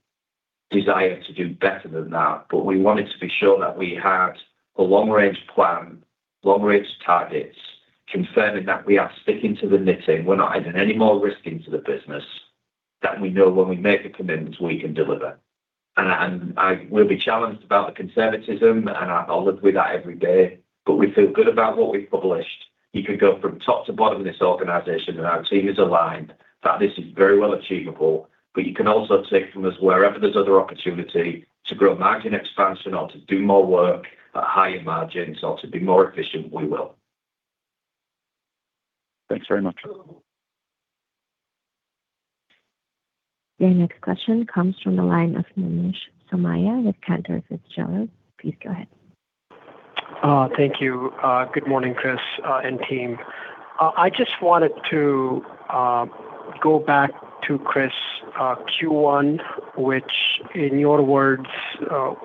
desire to do better than that, we wanted to be sure that we had a long-range plan, long-range targets, confirming that we are sticking to the knitting. We're not adding any more risk into the business that we know when we make a commitment we can deliver. We'll be challenged about the conservatism, and I live with that every day. We feel good about what we've published. You can go from top to bottom in this organization, and our team is aligned that this is very well achievable. You can also take from us wherever there's other opportunity to grow margin expansion or to do more work at higher margins or to be more efficient, we will. Thanks very much. Your next question comes from the line of Manish Somaiya with Cantor Fitzgerald. Please go ahead. Thank you. Good morning, Chris, and team. I just wanted to go back to Chris, Q1, which in your words,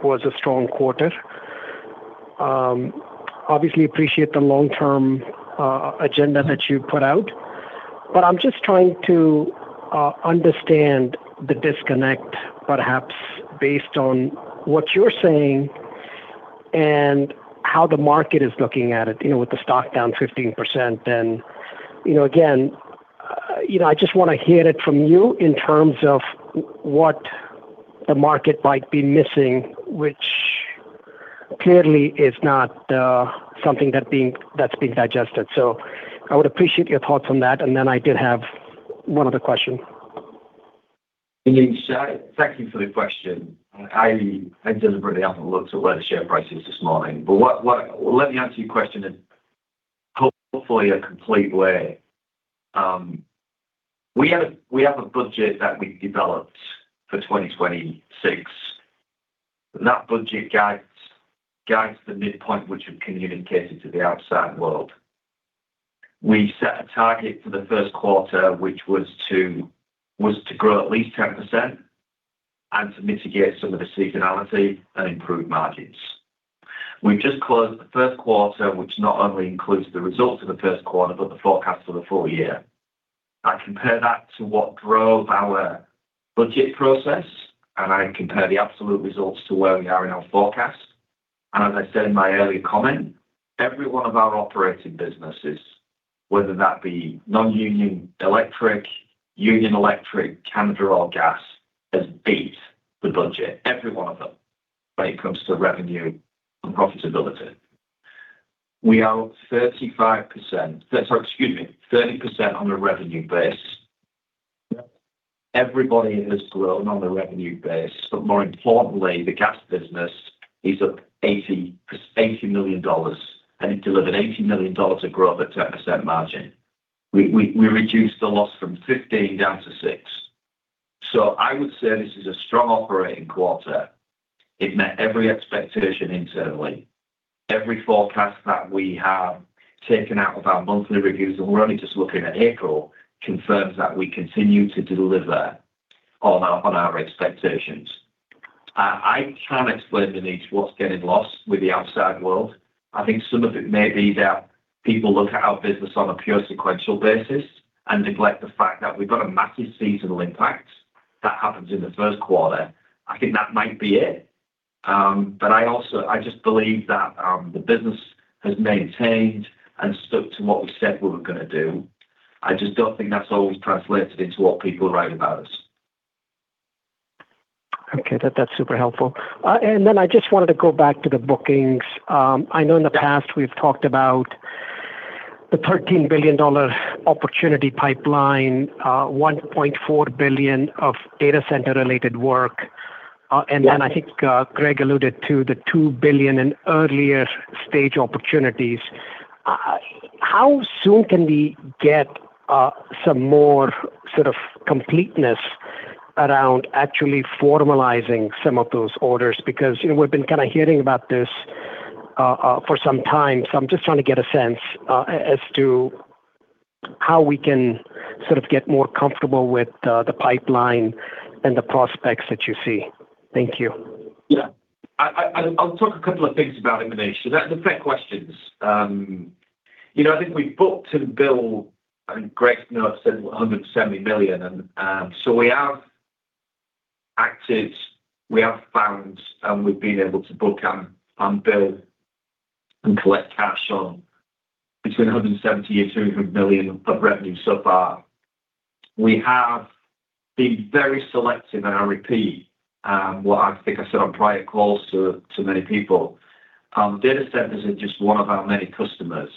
was a strong quarter. Obviously appreciate the long-term agenda that you put out, but I'm just trying to understand the disconnect, perhaps based on what you're saying and how the market is looking at it, you know, with the stock down 15%. You know, again, you know, I just want to hear it from you in terms of what the market might be missing, which clearly is not something that's being digested. I would appreciate your thoughts on that. Then I did have one other question. Manish, thank you for the question. I deliberately haven't looked at where the share price is this morning. Let me answer your question in hopefully a complete way. We have a budget that we developed for 2026. That budget guides the midpoint which we've communicated to the outside world. We set a target for the first quarter, which was to grow at least 10% and to mitigate some of the seasonality and improve margins. We've just closed the first quarter, which not only includes the results of the first quarter, but the forecast for the full year. I compare that to what drove our budget process, and I compare the absolute results to where we are in our forecast. As I said in my earlier comment, every one of our operating businesses, whether that be Non-Union Electric, Union Electric, Canada, or gas, has beat the budget, every one of them, when it comes to revenue and profitability. We are up 30% on a revenue base. Everybody has grown on a revenue base. More importantly, the gas business is up $80 million, and it delivered $80 million of growth at 10% margin. We reduced the loss from 15% down to 6%. I would say this is a strong operating quarter. It met every expectation internally. Every forecast that we have taken out of our monthly reviews, and we're only just looking at April, confirms that we continue to deliver on our expectations. I can explain, Manish, what's getting lost with the outside world. I think some of it may be that people look at our business on a pure sequential basis and neglect the fact that we've got a massive seasonal impact that happens in the first quarter. I think that might be it. I just believe that the business has maintained and stuck to what we said we were gonna do. I just don't think that's always translated into what people write about us. Okay. That's super helpful. Then I just wanted to go back to the bookings. I know in the past we've talked about the $13 billion opportunity pipeline, $1.4 billion of data center related work. Yeah I think Greg alluded to the $2 billion in earlier stage opportunities. How soon can we get some more sort of completeness around actually formalizing some of those orders? Because, you know, we've been kinda hearing about this for some time. I'm just trying to get a sense as to how we can sort of get more comfortable with the pipeline and the prospects that you see. Thank you. Yeah. I'll talk a couple of things about it, Manish. They're fair questions. You know, I think we've booked and billed, and Greg knows, sort of $170 million. We have acted, we have found, and we've been able to book and bill and collect cash on between $170 million and $200 million of revenue so far. We have been very selective, I repeat what I think I said on prior calls to many people, data centers are just one of our many customers.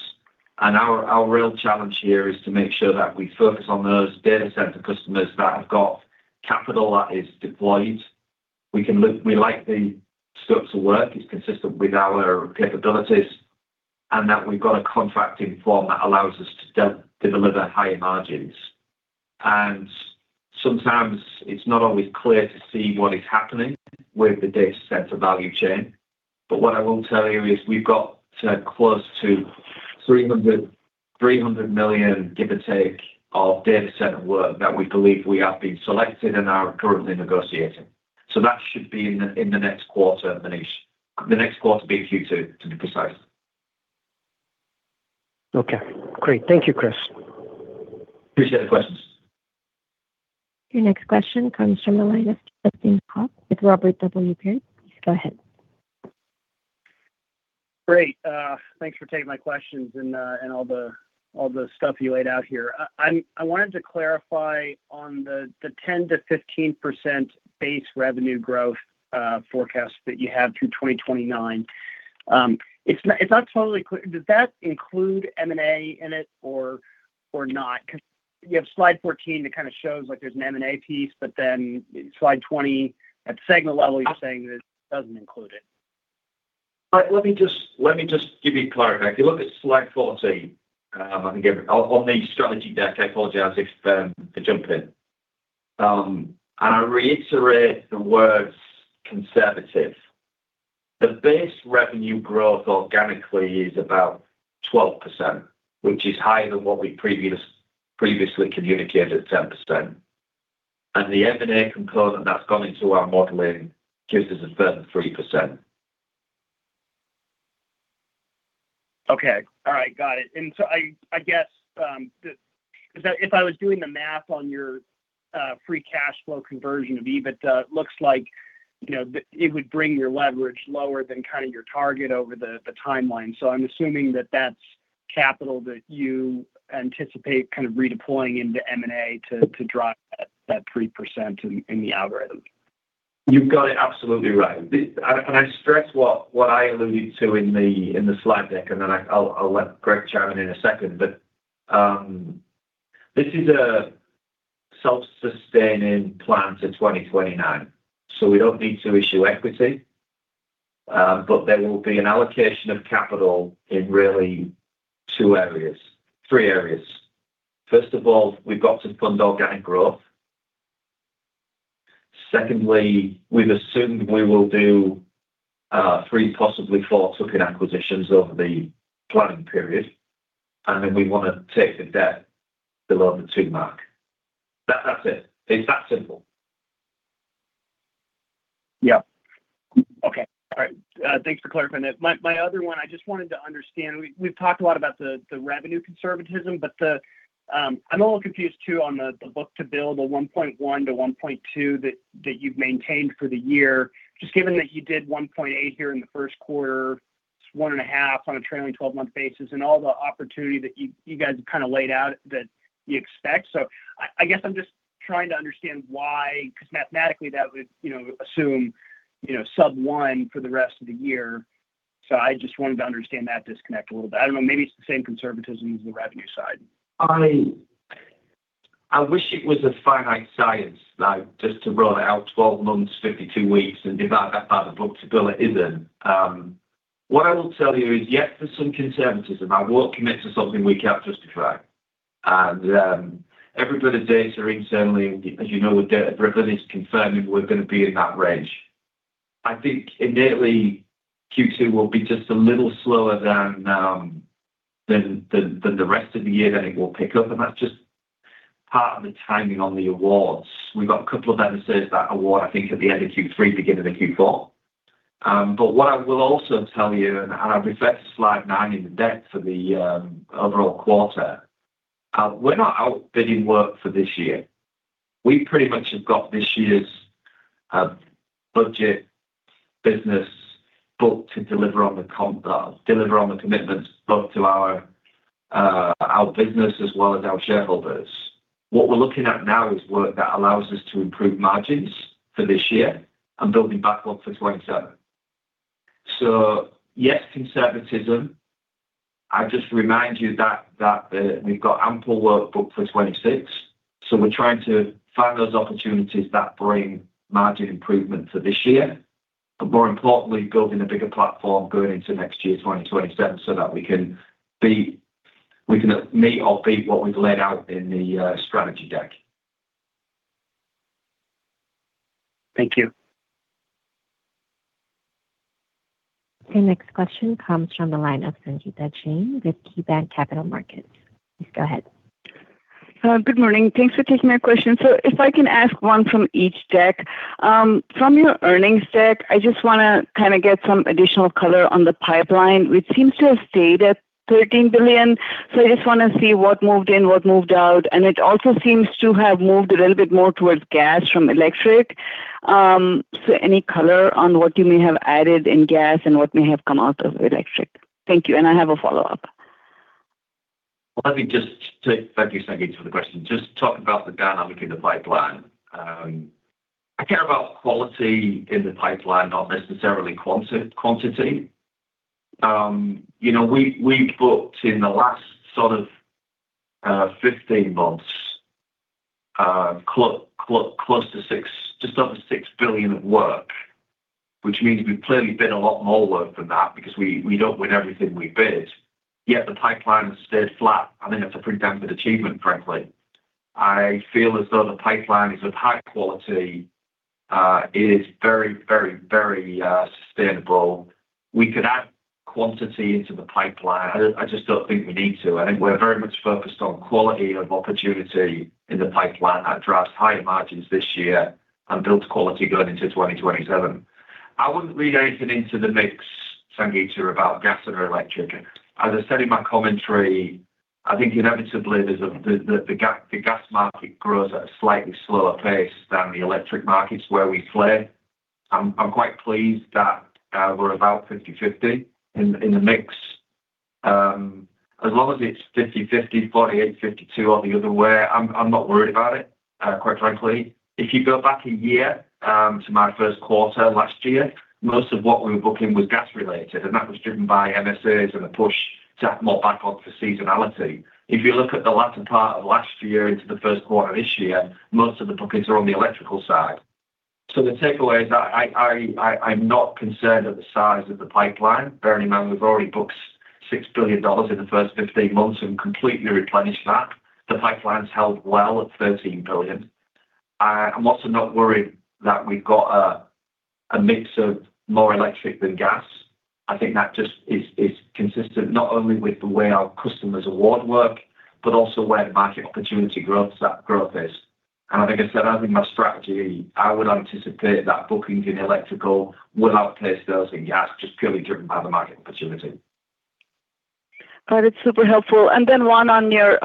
Our real challenge here is to make sure that we focus on those data center customers that have got capital that is deployed. We like the scopes of work, it's consistent with our capabilities, and that we've got a contracting form that allows us to de-deliver high margins. Sometimes it's not always clear to see what is happening with the data center value chain. What I will tell you is we've got close to $300 million, give or take, of data center work that we believe we have been selected and are currently negotiating. That should be in the next quarter, Manish. The next quarter being Q2, to be precise. Okay, great. Thank you, Chris. Appreciate the questions. Your next question comes from the line of Justin Hauke with Robert W. Baird. Please go ahead. Great. Thanks for taking my questions and all the stuff you laid out here. I wanted to clarify on the 10%-15% base revenue growth forecast that you have through 2029. It's not totally clear. Does that include M&A in it or not? You have slide 14 that kinda shows like there's an M&A piece, but then slide 20 at segment level, you're saying that it doesn't include it. Let me just give you clarity. If you look at slide 14, I can give it on the strategy deck. I apologize for jumping. I reiterate the words conservative. The base revenue growth organically is about 12%, which is higher than what we previously communicated, 10%. The M&A component that's gone into our modeling gives us a further 3%. Okay. All right. Got it. I guess, 'cause if I was doing the math on your free cash flow conversion of EBITDA, it looks like, you know, it would bring your leverage lower than kinda your target over the timeline. I'm assuming that that's capital that you anticipate kind of redeploying into M&A to drive that 3% in the algorithm. You've got it absolutely right. I stress what I alluded to in the slide deck, and then I'll let Greg chime in in a second. This is a self-sustaining plan to 2029, so we don't need to issue equity. There will be an allocation of capital in really three areas. First of all, we've got to fund organic growth. Secondly, we've assumed we will do three, possibly four token acquisitions over the planning period, and then we wanna take the debt below the 2% mark. That's it. It's that simple. Yeah. Okay. All right. Thanks for clarifying that. My other one, I just wanted to understand. We've talked a lot about the revenue conservatism, but I'm a little confused too on the book-to-bill, the 1.1x-1.2x that you've maintained for the year. Just given that you did 1.8x here in the first quarter, 1.5x on a trailing 12-month basis, and all the opportunity that you guys have kind of laid out that you expect. I guess I'm just trying to understand why, because mathematically that would, you know, assume, you know, sub-1x for the rest of the year. I just wanted to understand that disconnect a little bit. I don't know, maybe it's the same conservatism as the revenue side. I wish it was a finite science, like just to roll it out 12 months, 52 weeks, and be about that far. The book-to-bill isn't. What I will tell you is, yes, there's some conservatism. I won't commit to something we can't justify. Every bit of data internally, as you know, every bit of data is confirming we're gonna be in that range. I think innately Q2 will be just a little slower than the rest of the year, then it will pick up, and that's just part of the timing on the awards. We've got a couple of evidences that award, I think at the end of Q3, beginning of Q4. What I will also tell you, and I refer to slide nine in depth for the overall quarter, we're not out bidding work for this year. We pretty much have got this year's budget business booked to deliver on the commitments both to our business as well as our shareholders. What we're looking at now is work that allows us to improve margins for this year and building back up for 2027. Yes, conservatism. I just remind you that we've got ample work booked for 2026, so we're trying to find those opportunities that bring margin improvement for this year. More importantly, building a bigger platform going into next year, 2027, so that we can meet or beat what we've laid out in the strategy deck. Thank you. The next question comes from the line of Sangita Jain with KeyBanc Capital Markets. Please go ahead. Good morning. Thanks for taking my question. If I can ask one from each deck. From your earnings deck, I just want to kind of get some additional color on the pipeline, which seems to have stayed at $13 billion. I just want to see what moved in, what moved out. It also seems to have moved a little bit more towards gas from electric. Any color on what you may have added in gas and what may have come out of electric? Thank you, and I have a follow-up. Thank you, Sangita, for the question. Just talk about the dynamic in the pipeline. I care about quality in the pipeline, not necessarily quantity. You know, we booked in the last sort of 15 months, close to just under $6 billion of work, which means we've clearly bid a lot more work than that because we don't win everything we bid. The pipeline has stayed flat. I think that's a pretty damn good achievement, frankly. I feel as though the pipeline is of high quality. It is very sustainable. We could add quantity into the pipeline. I just don't think we need to. I think we're very much focused on quality of opportunity in the pipeline that drives higher margins this year and builds quality going into 2027. I wouldn't read anything into the mix, Sangita, about gas or electric. As I said in my commentary, I think inevitably there's the gas market grows at a slightly slower pace than the electric markets where we play. I'm quite pleased that we're about 50/50 in the mix. As long as it's 50/50, 48/52 or the other way, I'm not worried about it, quite frankly. If you go back a year, to my first quarter last year, most of what we were booking was gas related, and that was driven by MSAs and a push to have more backlog for seasonality. If you look at the latter part of last year into the first quarter of this year, most of the bookings are on the electrical side. The takeaway is I'm not concerned at the size of the pipeline. Bearing in mind, we've already booked $6 billion in the first 15 months and completely replenished that. The pipeline's held well at $13 billion. I am also not worried that we've got a mix of more electric than gas. I think that just is consistent not only with the way our customers award work, but also where the market opportunity growth is. I think my strategy, I would anticipate that bookings in electrical will outpace those in gas, just purely driven by the market opportunity. Got it. Super helpful. And then one on your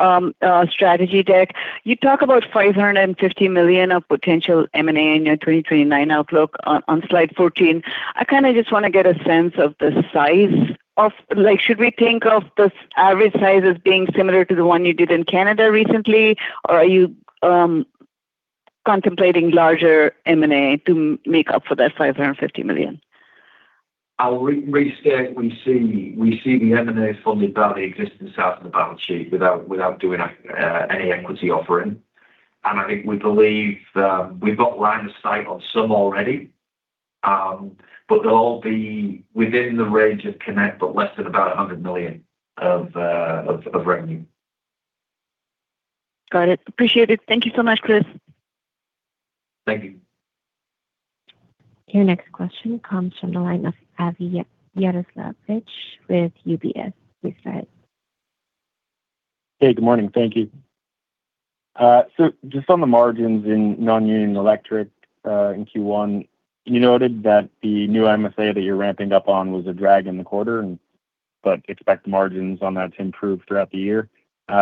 strategy deck. You talk about $550 million of potential M&A in your 2029 outlook on slide 14. Like, should we think of this average size as being similar to the one you did in Canada recently? Or are you contemplating larger M&A to make up for that $550 million? I'll re-restate. We see the M&A funded by the existing size of the balance sheet without doing any equity offering. I think we believe we've got line of sight on some already. They'll all be within the range of Connect, but less than about $100 million of revenue. Got it. Appreciate it. Thank you so much, Chris. Thank you. Your next question comes from the line of Avi Jaroslawicz with UBS. Please go ahead. Hey, good morning. Thank you. Just on the margins in Non-Union Electric, in Q1, you noted that the new MSA that you're ramping up on was a drag in the quarter. Expect margins on that to improve throughout the year.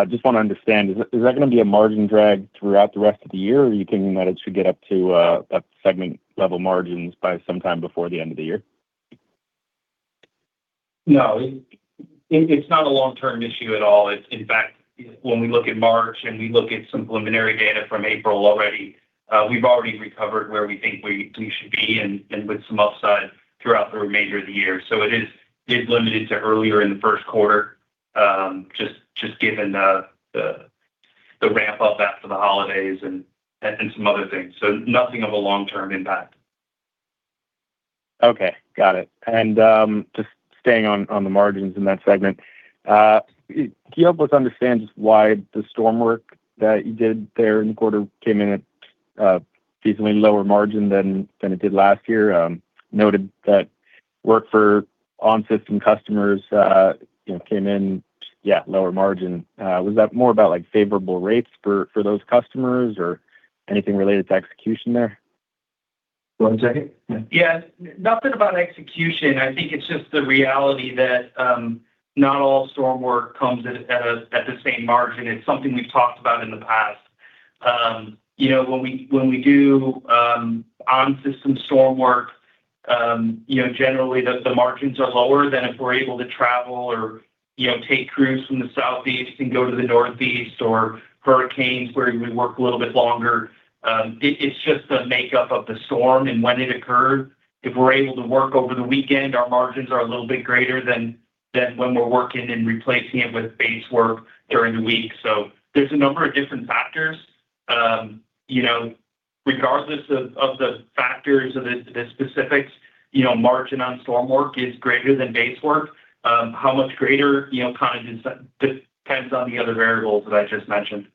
Just wanna understand, is that gonna be a margin drag throughout the rest of the year? Are you thinking that it should get up to that segment level margins by sometime before the end of the year? No. It's not a long-term issue at all. In fact, when we look at March and we look at some preliminary data from April already, we've already recovered where we think we should be and with some upside throughout the remainder of the year. It is limited to earlier in the first quarter, just given the ramp up after the holidays and some other things. Nothing of a long-term impact. Okay, got it. Just staying on the margins in that segment. Can you help us understand just why the storm work that you did there in the quarter came in at a decently lower margin than it did last year? Noted that work for on-system customers, you know, came in, yeah, lower margin. Was that more about like favorable rates for those customers or anything related to execution there? One second. Yeah. Yeah, nothing about execution. I think it's just the reality that not all storm work comes at a, at the same margin. It's something we've talked about in the past. You know, when we, when we do on-system storm work, you know, generally the margins are lower than if we're able to travel or, you know, take crews from the southeast and go to the northeast, or hurricanes where you would work a little bit longer. It, it's just the makeup of the storm and when it occurred. If we're able to work over the weekend, our margins are a little bit greater than when we're working and replacing it with base work during the week. There's a number of different factors. You know, regardless of the factors or the specifics, you know, margin on storm work is greater than base work. How much greater, you know, kind of depends on the other variables that I just mentioned.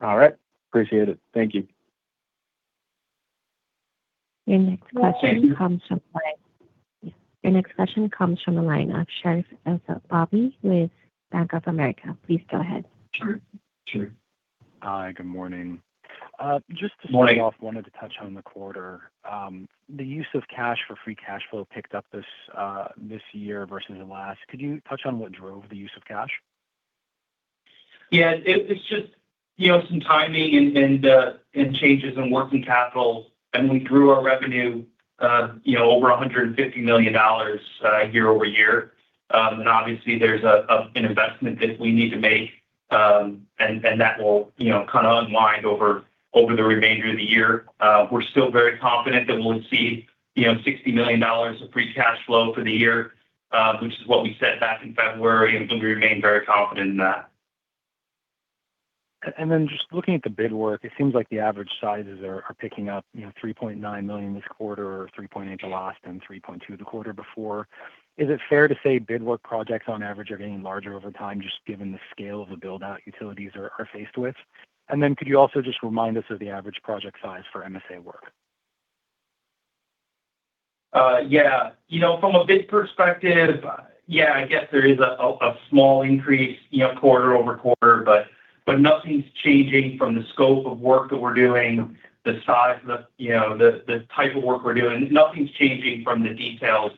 All right. Appreciate it. Thank you. Your next question comes from the line of Sherif El-Sabbahy with Bank of America. Please go ahead. Sure. Sure. Hi, good morning. Morning Just to start off, wanted to touch on the quarter. The use of cash for free cash flow picked up this year versus the last. Could you touch on what drove the use of cash? Yeah. It's just, you know, some timing and changes in working capital. We grew our revenue, you know, over $150 million year-over-year. Obviously there's an investment that we need to make, and that will, you know, kind of unwind over the remainder of the year. We're still very confident that we'll see, you know, $60 million of free cash flow for the year, which is what we said back in February, and we remain very confident in that. Then just looking at the bid work, it seems like the average sizes are picking up, you know, $3.9 million this quarter or $3.8 million last and $3.2 million the quarter before. Is it fair to say bid work projects on average are getting larger over time just given the scale of the build-out utilities are faced with? Then could you also just remind us of the average project size for MSA work? Yeah. You know, from a bid perspective, yeah, I guess there is a small increase, you know, quarter-over-quarter. Nothing's changing from the scope of work that we're doing, the size, the, you know, the type of work we're doing. Nothing's changing from the details.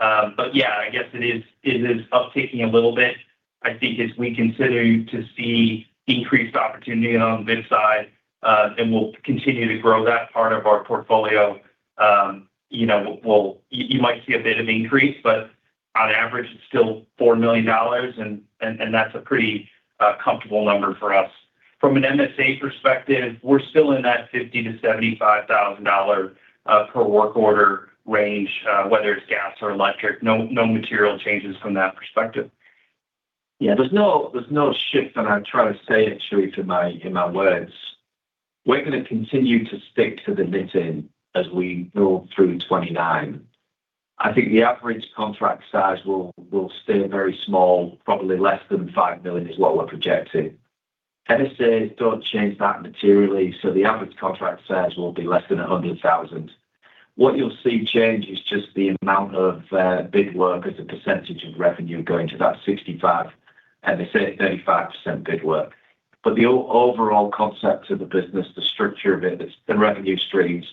Yeah, I guess it is uptaking a little bit. I think as we continue to see increased opportunity on the bid side, and we'll continue to grow that part of our portfolio, you know, you might see a bit of increase, but on average it's still $4 million and that's a pretty comfortable number for us. From an MSA perspective, we're still in that $50,000-$75,000 per work order range, whether it's gas or electric. No, no material changes from that perspective. Yeah. There's no shift, I try to say it to you in my words. We're gonna continue to stick to the knitting as we go through 2029. I think the average contract size will stay very small, probably less than $5 million is what we're projecting. MSAs don't change that materially, the average contract size will be less than $100,000. What you'll see change is just the amount of bid work as a percentage of revenue going to that 65%, MSA 35% bid work. The overall concept of the business, the structure of it, the revenue streams,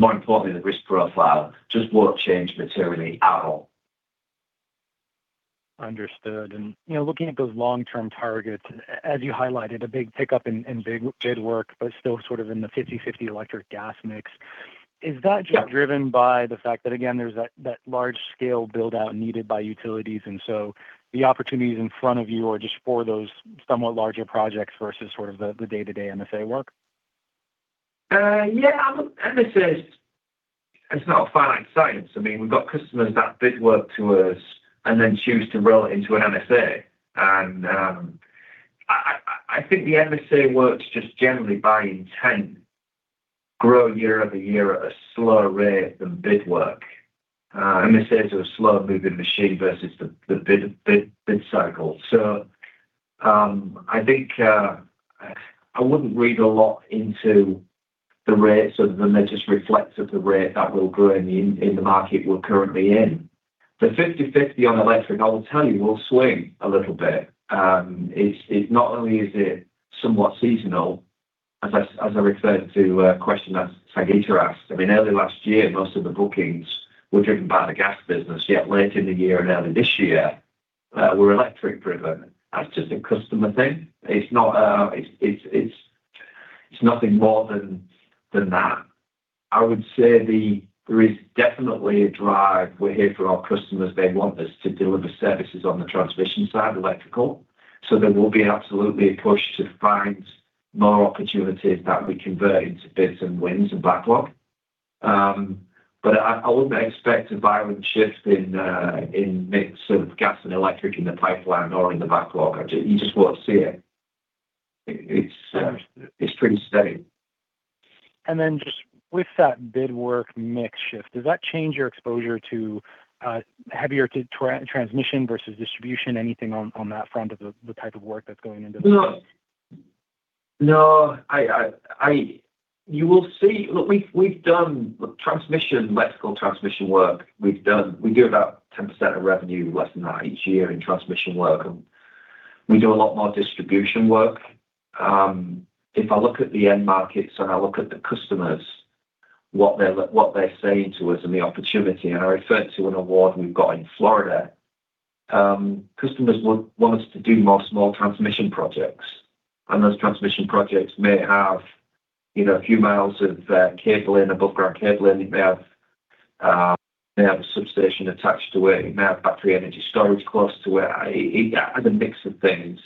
more importantly, the risk profile just won't change materially at all. Understood. You know, looking at those long-term targets, as you highlighted, a big pickup in bid work, but still sort of in the 50/50 electric/gas mix. Is that? Yeah just driven by the fact that, again, there's that large-scale build-out needed by utilities, the opportunities in front of you are just for those somewhat larger projects versus sort of the day-to-day MSA work? Yeah. Look, MSAs, it's not a finite science. I mean, we've got customers that bid work to us and then choose to roll it into an MSA. I think the MSA works just generally by intent grow year over year at a slower rate than bid work. MSAs are a slow-moving machine versus the bid cycle. I think I wouldn't read a lot into the rates other than they just reflect of the rate that we're growing in the market we're currently in. The 50/50 on electric, I will tell you, will swing a little bit. It's not only is it somewhat seasonal, as I referred to a question that Sangita asked. I mean, early last year, most of the bookings were driven by the gas business, yet late in the year and early this year, were electric driven. That's just a customer thing. It's not, it's nothing more than that. I would say there is definitely a drive. We're here for our customers. They want us to deliver services on the transmission side, electrical. There will be absolutely a push to find more opportunities that we convert into bids and wins and backlog. I wouldn't expect a violent shift in mix of gas and electric in the pipeline or in the backlog. You just won't see it. It's pretty steady. Just with that bid work mix shift, does that change your exposure to heavier transmission versus distribution? Anything on that front of the type of work that's going into? No. No. Look, we've done transmission, electrical transmission work. We do about 10% of revenue less than that each year in transmission work. We do a lot more distribution work. If I look at the end markets and I look at the customers, what they're saying to us and the opportunity, and I refer to an award we've got in Florida, customers want us to do more small transmission projects. Those transmission projects may have, you know, a few miles of cabling, above ground cabling. It may have a substation attached to it. It may have battery energy storage close to it. Yeah, a mix of things.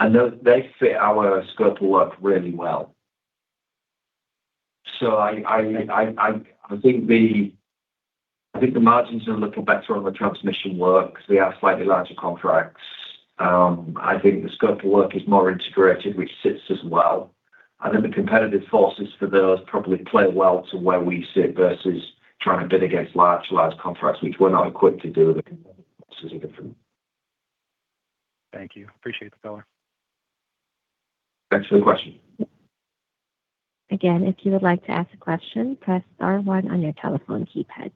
They fit our scope of work really well. I think the margins are looking better on the transmission work because they are slightly larger contracts. I think the scope of work is more integrated, which sits as well. The competitive forces for those probably play well to where we sit versus trying to bid against large contracts, which we're not equipped to do. Thank you. Appreciate the color. Thanks for the question. Again, if you would like to ask a question, press star one on your telephone keypad.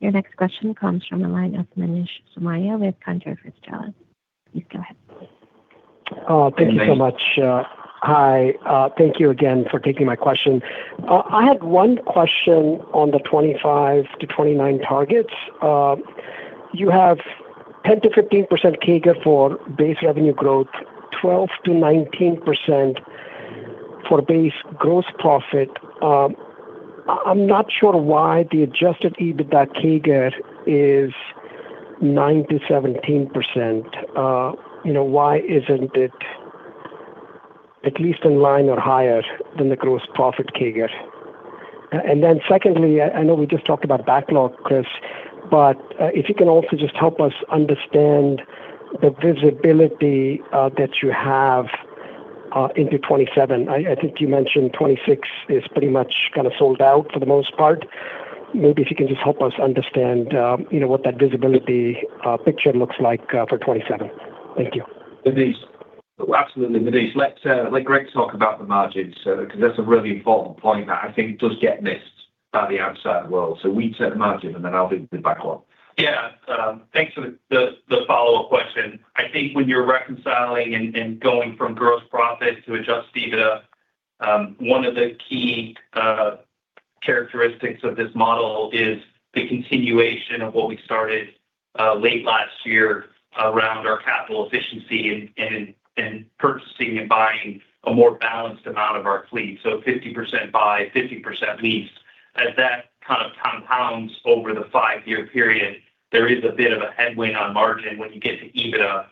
Your next question comes from the line of Manish Somaiya with Cantor Fitzgerald. Please go ahead. Hi, Manish. Thank you so much. Hi, thank you again for taking my question. I had one question on the 25-29 targets. You have 10%-15% CAGR for base revenue growth, 12%-19% for base gross profit. I'm not sure why the adjusted EBITDA CAGR is 9%-17%. You know, why isn't it at least in line or higher than the gross profit CAGR? Then secondly, I know we just talked about backlog, Chris, but if you can also just help us understand the visibility that you have into 2027. I think you mentioned 2026 is pretty much kinda sold out for the most part. Maybe if you can just help us understand, you know, what that visibility picture looks like for 2027. Thank you. Manish. Absolutely, Manish. Let Greg talk about the margins, 'cause that's a really important point that I think does get missed by the outside world. We take margin, and then I'll do the backlog. Thanks for the follow-up question. I think when you're reconciling and going from gross profit to adjusted EBITDA, one of the key characteristics of this model is the continuation of what we started late last year around our capital efficiency and purchasing and buying a more balanced amount of our fleet. 50% buy, 50% lease. As that kind of compounds over the five-year period, there is a bit of a headwind on margin when you get to EBITDA,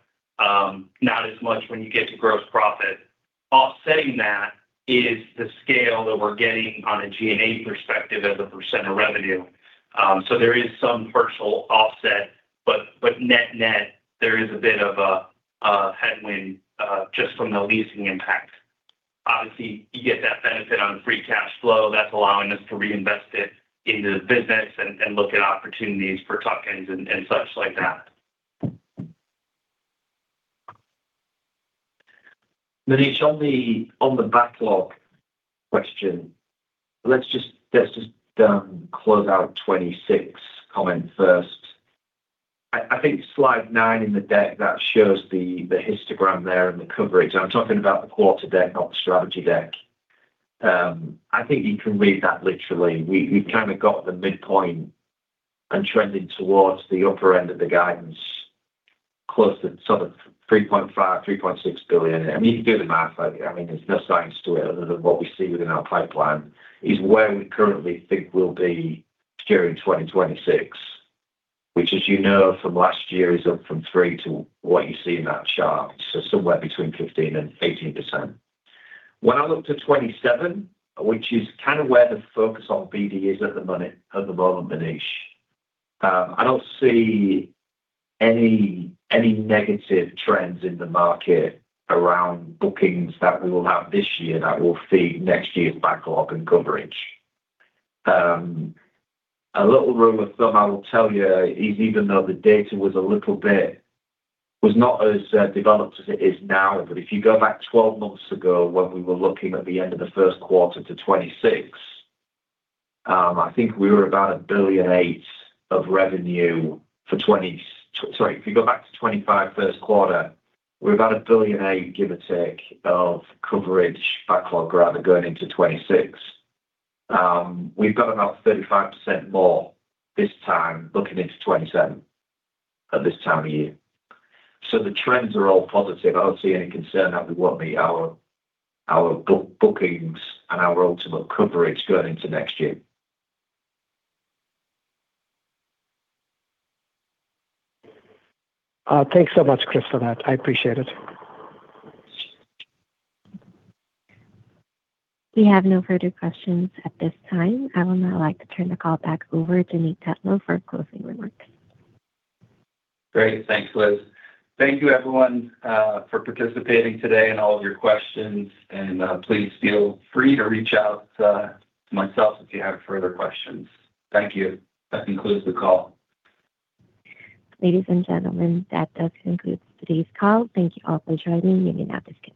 not as much when you get to gross profit. Offsetting that is the scale that we're getting on a G&A perspective as a percent of revenue. There is some partial offset, but net-net, there is a bit of a headwind just from the leasing impact. Obviously, you get that benefit on free cash flow. That's allowing us to reinvest it into the business and look at opportunities for tuck-ins and such like that. Manish, on the backlog question, let's just close out 2026 comment first. I think Slide nine in the deck, that shows the histogram there and the coverage. I'm talking about the quarter deck, not the strategy deck. I think you can read that literally. We've kind of got the midpoint and trending towards the upper end of the guidance, close to sort of $3.5 billion-$3.6 billion. I mean, you can do the math. I mean, there's no science to it other than what we see within our pipeline is where we currently think we'll be during 2026, which, as you know from last year, is up from $3 billion to what you see in that chart. Somewhere between 15%-18%. When I look to 2027, which is kind of where the focus on BD is at the moment, Manish, I don't see any negative trends in the market around bookings that we will have this year that will feed next year's backlog and coverage. A little rule of thumb I will tell you is even though the data was a little bit, was not as developed as it is now, but if you go back 12 months ago when we were looking at the end of the first quarter to 2026, I think we were about $1.8 billion of revenue. If you go back to 2025 first quarter, we're about $1.8 billion, give or take, of coverage backlog rather going into 2026. We've got about 35% more this time looking into 2027 at this time of year. The trends are all positive. I don't see any concern that we won't meet our book-bookings and our ultimate coverage going into next year. Thanks so much, Chris, for that. I appreciate it. We have no further questions at this time. I would now like to turn the call back over to Nate Tetlow for closing remarks. Great. Thanks, Liz. Thank you everyone for participating today and all of your questions. Please feel free to reach out to myself if you have further questions. Thank you. That concludes the call. Ladies and gentlemen, that does conclude today's call. Thank you all for joining. You may now disconnect.